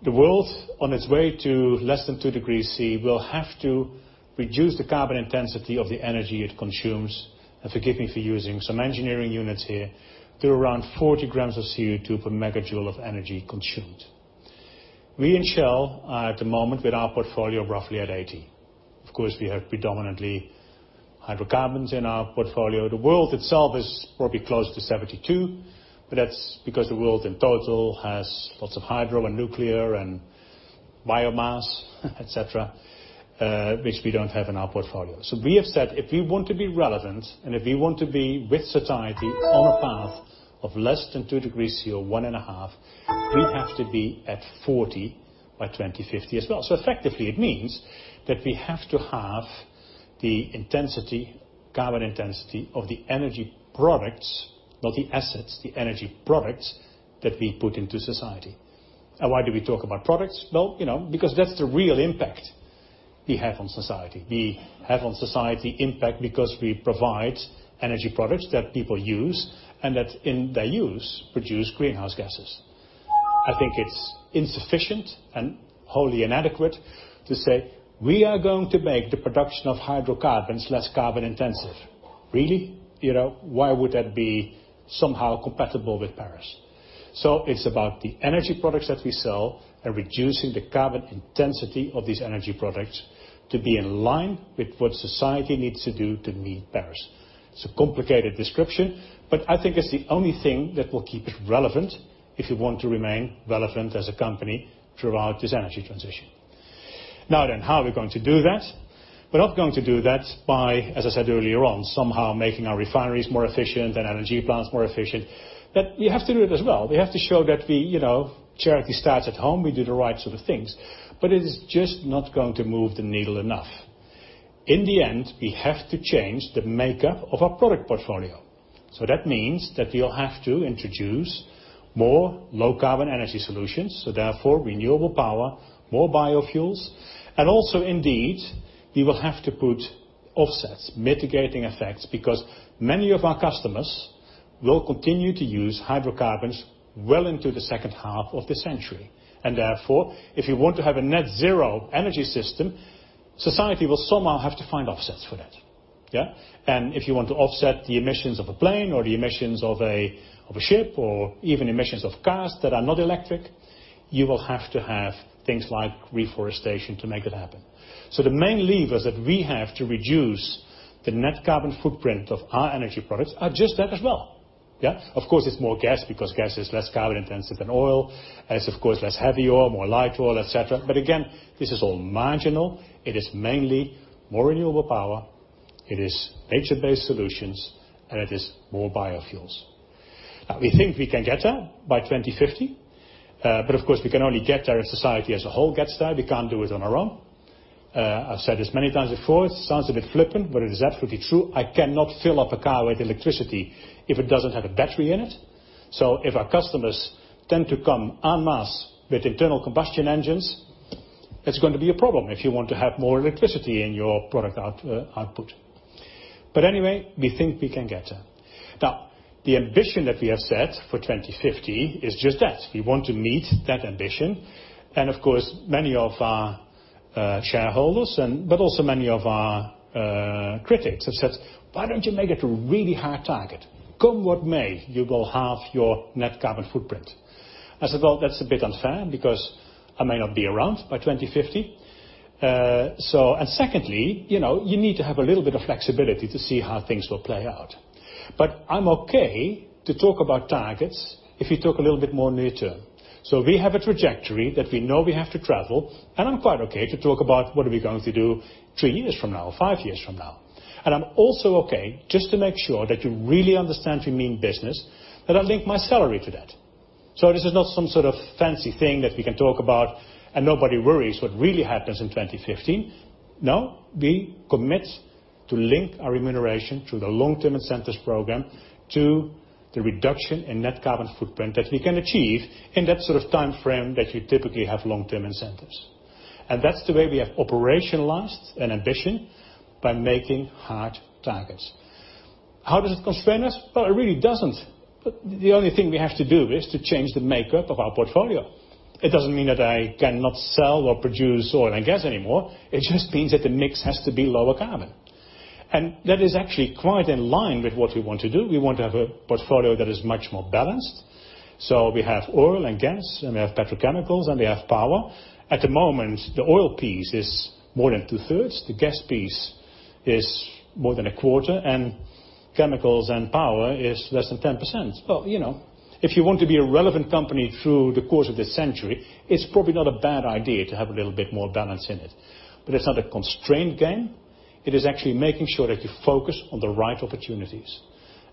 The world on its way to less than two degrees Celsius will have to reduce the carbon intensity of the energy it consumes. Forgive me for using some engineering units here, to around 40 grams of CO2 per megajoule of energy consumed. We in Shell are at the moment with our portfolio roughly at 80. Of course, we have predominantly hydrocarbons in our portfolio. The world itself is probably close to 72, but that's because the world in total has lots of hydro and nuclear and biomass, et cetera, which we don't have in our portfolio. We have said if we want to be relevant, and if we want to be with society on a path of less than 2 degrees Celsius or 1.5 degree Celsius, we have to be at 40 by 2050 as well. Effectively it means that we have to have the carbon intensity of the energy products, not the assets, the energy products that we put into society. Why do we talk about products? Well, because that's the real impact we have on society. We have on society impact because we provide energy products that people use and that in their use produce greenhouse gases. I think it's insufficient and wholly inadequate to say we are going to make the production of hydrocarbons less carbon intensive. Really? Why would that be somehow compatible with Paris? It's about the energy products that we sell and reducing the carbon intensity of these energy products to be in line with what society needs to do to meet Paris. It's a complicated description, but I think it's the only thing that will keep us relevant if we want to remain relevant as a company throughout this energy transition. Now, how are we going to do that? We're not going to do that by, as I said earlier on, somehow making our refineries more efficient and energy plants more efficient. That you have to do it as well. We have to show that charity starts at home. We do the right sort of things. It is just not going to move the needle enough. In the end, we have to change the makeup of our product portfolio. That means that we'll have to introduce more low carbon energy solutions, therefore renewable power, more biofuels, and also indeed, we will have to put offsets, mitigating effects because many of our customers will continue to use hydrocarbons well into the second half of the century. Therefore, if you want to have a Net Zero energy system, society will somehow have to find offsets for that. Yeah. If you want to offset the emissions of a plane or the emissions of a ship or even emissions of cars that are not electric, you will have to have things like reforestation to make it happen. The main levers that we have to reduce the net carbon footprint of our energy products are just that as well. Yeah. Of course, it's more gas because gas is less carbon intensive than oil. It's of course less heavy oil, more light oil, et cetera. Again, this is all marginal. It is mainly more renewable power. It is nature-based solutions, and it is more biofuels. We think we can get there by 2050. Of course, we can only get there if society as a whole gets there. We can't do it on our own. I've said this many times before, it sounds a bit flippant, but it is absolutely true. I cannot fill up a car with electricity if it doesn't have a battery in it. If our customers tend to come en masse with internal combustion engines, it's going to be a problem if you want to have more electricity in your product output. Anyway, we think we can get there. The ambition that we have set for 2050 is just that. We want to meet that ambition. Of course, many of our shareholders but also many of our critics have said, "Why don't you make it a really high target? Come what may, you will halve your net carbon footprint." I said, "Well, that's a bit unfair because I may not be around by 2050." Secondly, you need to have a little bit of flexibility to see how things will play out. I'm okay to talk about targets if you talk a little bit more near term. We have a trajectory that we know we have to travel, and I'm quite okay to talk about what are we going to do three years from now, five years from now. I'm also okay, just to make sure that you really understand we mean business, that I link my salary to that. This is not some sort of fancy thing that we can talk about and nobody worries what really happens in 2050. No, we commit to link our remuneration through the long-term incentives program to the reduction in net carbon footprint that we can achieve in that sort of timeframe that you typically have long-term incentives. That's the way we have operationalized an ambition by making hard targets. How does it constrain us? Well, it really doesn't. The only thing we have to do is to change the makeup of our portfolio. It doesn't mean that I cannot sell or produce oil and gas anymore. It just means that the mix has to be lower carbon. That is actually quite in line with what we want to do. We want to have a portfolio that is much more balanced. We have oil and gas, and we have petrochemicals, and we have power. At the moment, the oil piece is more than 2/3. The gas piece is more than 1/4, chemicals and power is less than 10%. Well, if you want to be a relevant company through the course of this century, it's probably not a bad idea to have a little bit more balance in it. It's not a constraint game. It is actually making sure that you focus on the right opportunities.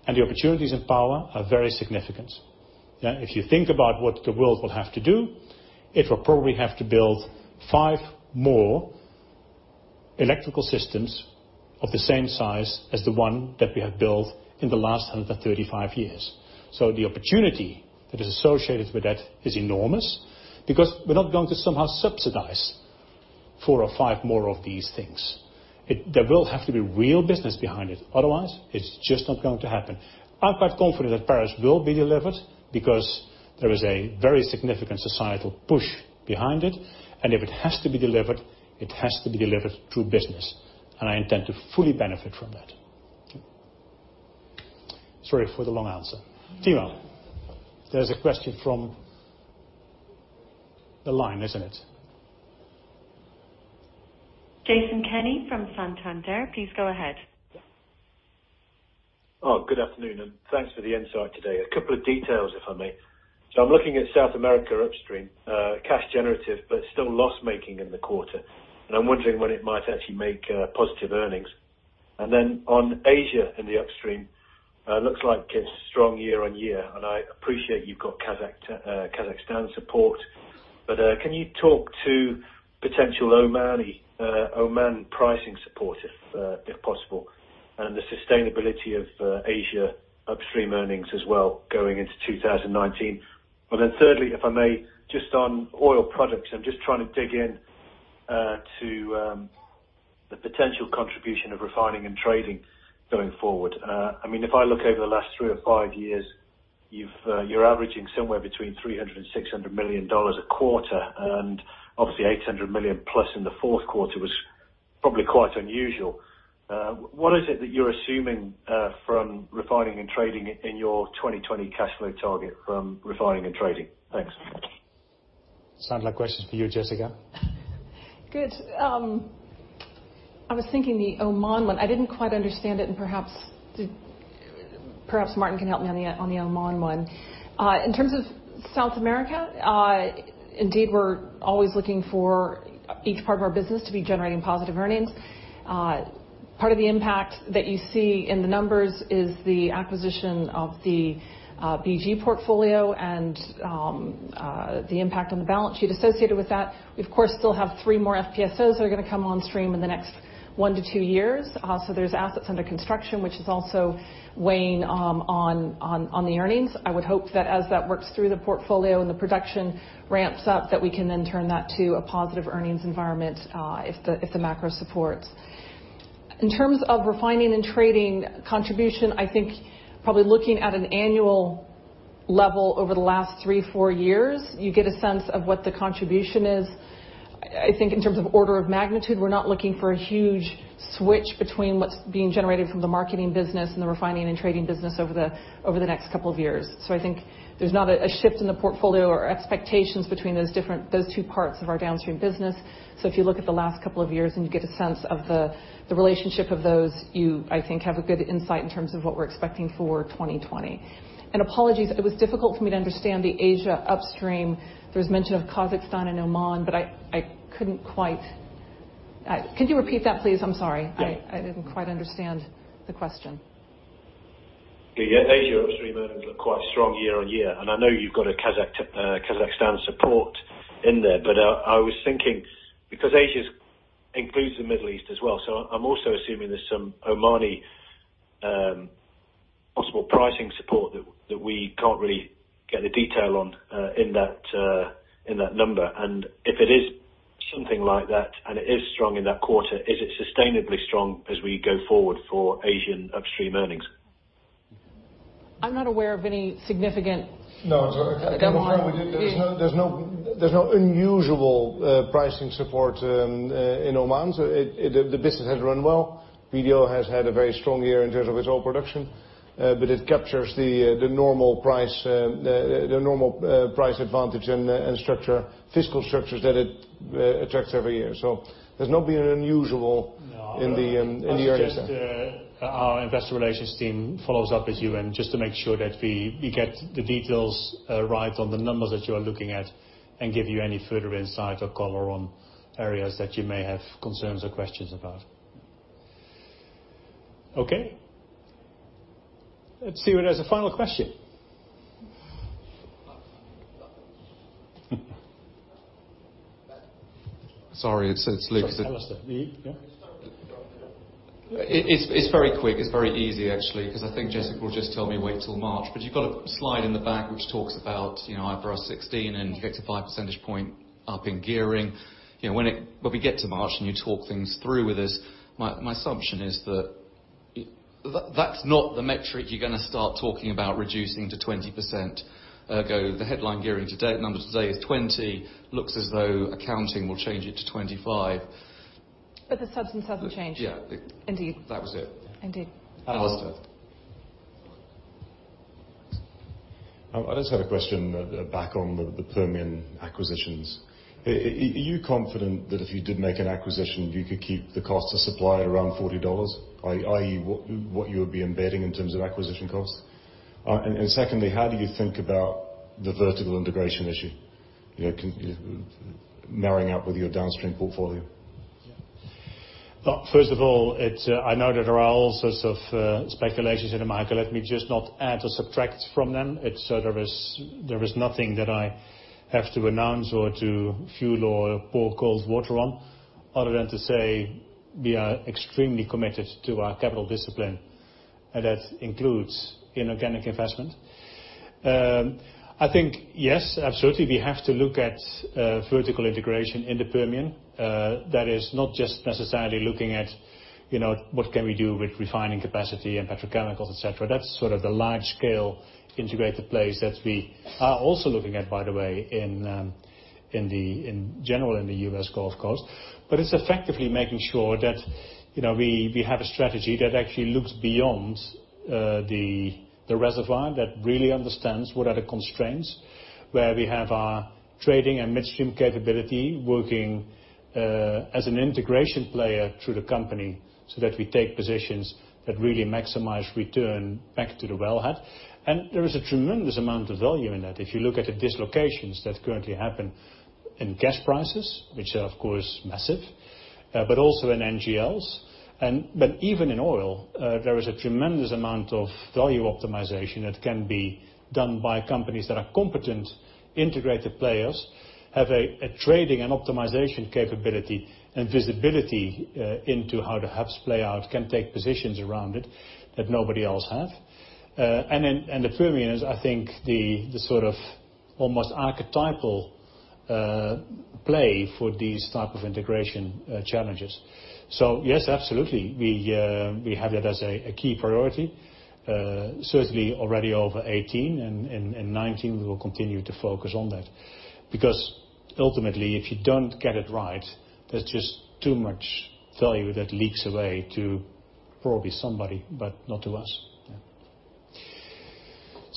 The opportunities in power are very significant. If you think about what the world will have to do, it will probably have to build five more electrical systems of the same size as the one that we have built in the last 135 years. The opportunity that is associated with that is enormous because we're not going to somehow subsidize four or five more of these things. There will have to be real business behind it, otherwise it's just not going to happen. I'm quite confident that Paris will be delivered because there is a very significant societal push behind it, if it has to be delivered, it has to be delivered through business. I intend to fully benefit from that. Sorry for the long answer. [More], there's a question from the line, isn't it? Jason Kenney from Santander. Please go ahead. Good afternoon. Thanks for the insight today. A couple of details, if I may. I'm looking at South America upstream. Cash generative, but still loss-making in the quarter. I'm wondering when it might actually make positive earnings. On Asia in the upstream, looks like it's strong year-on-year. I appreciate you've got Kazakhstan support. Can you talk to potential Oman pricing support if possible, and the sustainability of Asia upstream earnings as well going into 2019? Thirdly, if I may, just on oil products, I'm just trying to dig in to the potential contribution of refining and trading going forward. If I look over the last three or five years, you're averaging somewhere between $300 million and $600 million a quarter. Obviously $800 million+ in the fourth quarter was probably quite unusual. What is it that you're assuming from refining and trading in your 2020 cash flow target from refining and trading? Thanks. Sounds like a question for you, Jessica. I was thinking the Oman one, I didn't quite understand it. Perhaps Maarten can help me on the Oman one. In terms of South America, indeed, we're always looking for each part of our business to be generating positive earnings. Part of the impact that you see in the numbers is the acquisition of the BG portfolio and the impact on the balance sheet associated with that. We, of course, still have three more FPSOs that are going to come on stream in the next one to two years. There's assets under construction, which is also weighing on the earnings. I would hope that as that works through the portfolio and the production ramps up, that we can then turn that to a positive earnings environment, if the macro supports. In terms of refining and trading contribution, I think probably looking at an annual level over the last three to four years, you get a sense of what the contribution is. I think in terms of order of magnitude, we're not looking for a huge switch between what's being generated from the marketing business and the refining and trading business over the next couple of years. I think there's not a shift in the portfolio or expectations between those two parts of our downstream business. If you look at the last couple of years and you get a sense of the relationship of those, you, I think, have a good insight in terms of what we're expecting for 2020. Apologies, it was difficult for me to understand the Asia upstream. There was mention of Kazakhstan and Oman, but I couldn't quite. Could you repeat that, please? I'm sorry. Yeah. I didn't quite understand the question. Yeah. Asia upstream earnings look quite strong year on year, and I know you've got a Kazakhstan support in there. I was thinking because Asia includes the Middle East as well, so I'm also assuming there's some Omani possible pricing support that we can't really get the detail on in that number. If it is something like that, and it is strong in that quarter, is it sustainably strong as we go forward for Asian upstream earnings? I'm not aware of any significant. No. Government- There's no unusual pricing support in Oman. The business has run well. PDO has had a very strong year in terms of its oil production, but it captures the normal price advantage and fiscal structures that it attracts every year. There's not been an unusual in the earnings there. I suggest our investor relations team follows up with you and just to make sure that we get the details right on the numbers that you are looking at, and give you any further insight or color on areas that you may have concerns or questions about. Okay. Let's see if there's a final question. Sorry. It's [Luke]. [Alastair]. You, yeah. It's very quick. It's very easy, actually, because I think Jessica will just tell me wait till March. You've got a slide in the back which talks about IFRS 16, and you get a five percentage point up in gearing. When we get to March and you talk things through with us, my assumption is that that's not the metric you're going to start talking about reducing to 20%, so the headline gearing to date numbers today is 20%, looks as though accounting will change it to 25%. The substance hasn't changed. Yeah. Indeed. That was it. Indeed. Understood. I just had a question back on the Permian acquisitions. Are you confident that if you did make an acquisition, you could keep the cost of supply at around $40, i.e., what you would be embedding in terms of acquisition costs? Secondly, how do you think about the vertical integration issue marrying up with your downstream portfolio? First of all, I know that there are all sorts of speculations in the market. Let me just not add or subtract from them. There is nothing that I have to announce or to fuel or pour cold water on, other than to say we are extremely committed to our capital discipline. That includes inorganic investment. I think, yes, absolutely, we have to look at vertical integration in the Permian. That is not just necessarily looking at what can we do with refining capacity and petrochemicals, et cetera. That's sort of the large scale integrated plays that we are also looking at, by the way, in general in the U.S. Gulf Coast, but it's effectively making sure that we have a strategy that actually looks beyond the reservoir that really understands what are the constraints, where we have our trading and midstream capability working as an integration player through the company so that we take positions that really maximize return back to the wellhead. There is a tremendous amount of value in that. If you look at the dislocations that currently happen in gas prices, which are of course massive, but also in NGLs. Even in oil, there is a tremendous amount of value optimization that can be done by companies that are competent, integrated players, have a trading and optimization capability and visibility into how the hubs play out, can take positions around it that nobody else have. The Permian is, I think, the sort of almost archetypal play for these type of integration challenges. Yes, absolutely, we have that as a key priority. Certainly already over 2018 and 2019, we will continue to focus on that because ultimately if you don't get it right, there's just too much value that leaks away to probably somebody, but not to us.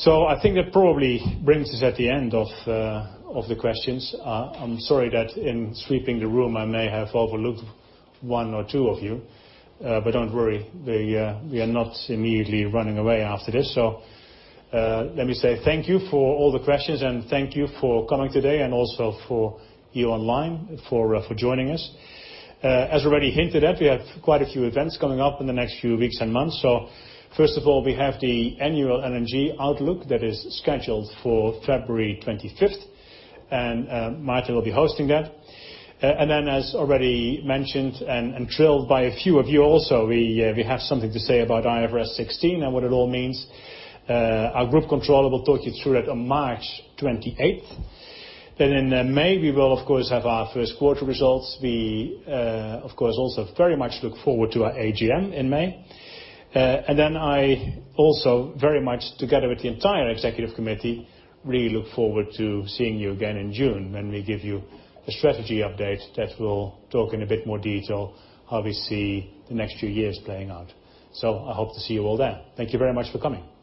I think that probably brings us at the end of the questions. I'm sorry that in sweeping the room I may have overlooked one or two of you. Do not worry, we are not immediately running away after this. Let me say thank you for all the questions and thank you for coming today and also for you online for joining us. As already hinted at, we have quite a few events coming up in the next few weeks and months. First of all, we have the annual LNG outlook that is scheduled for February 25th, and Maarten will be hosting that. As already mentioned and thrilled by a few of you also, we have something to say about IFRS 16 and what it all means. Our group controller will talk you through that on March 28th. In May we will of course have our first quarter results. We, of course, also very much look forward to our AGM in May. I also very much, together with the entire executive committee, really look forward to seeing you again in June when we give you a strategy update that will talk in a bit more detail how we see the next few years playing out. I hope to see you all there. Thank you very much for coming.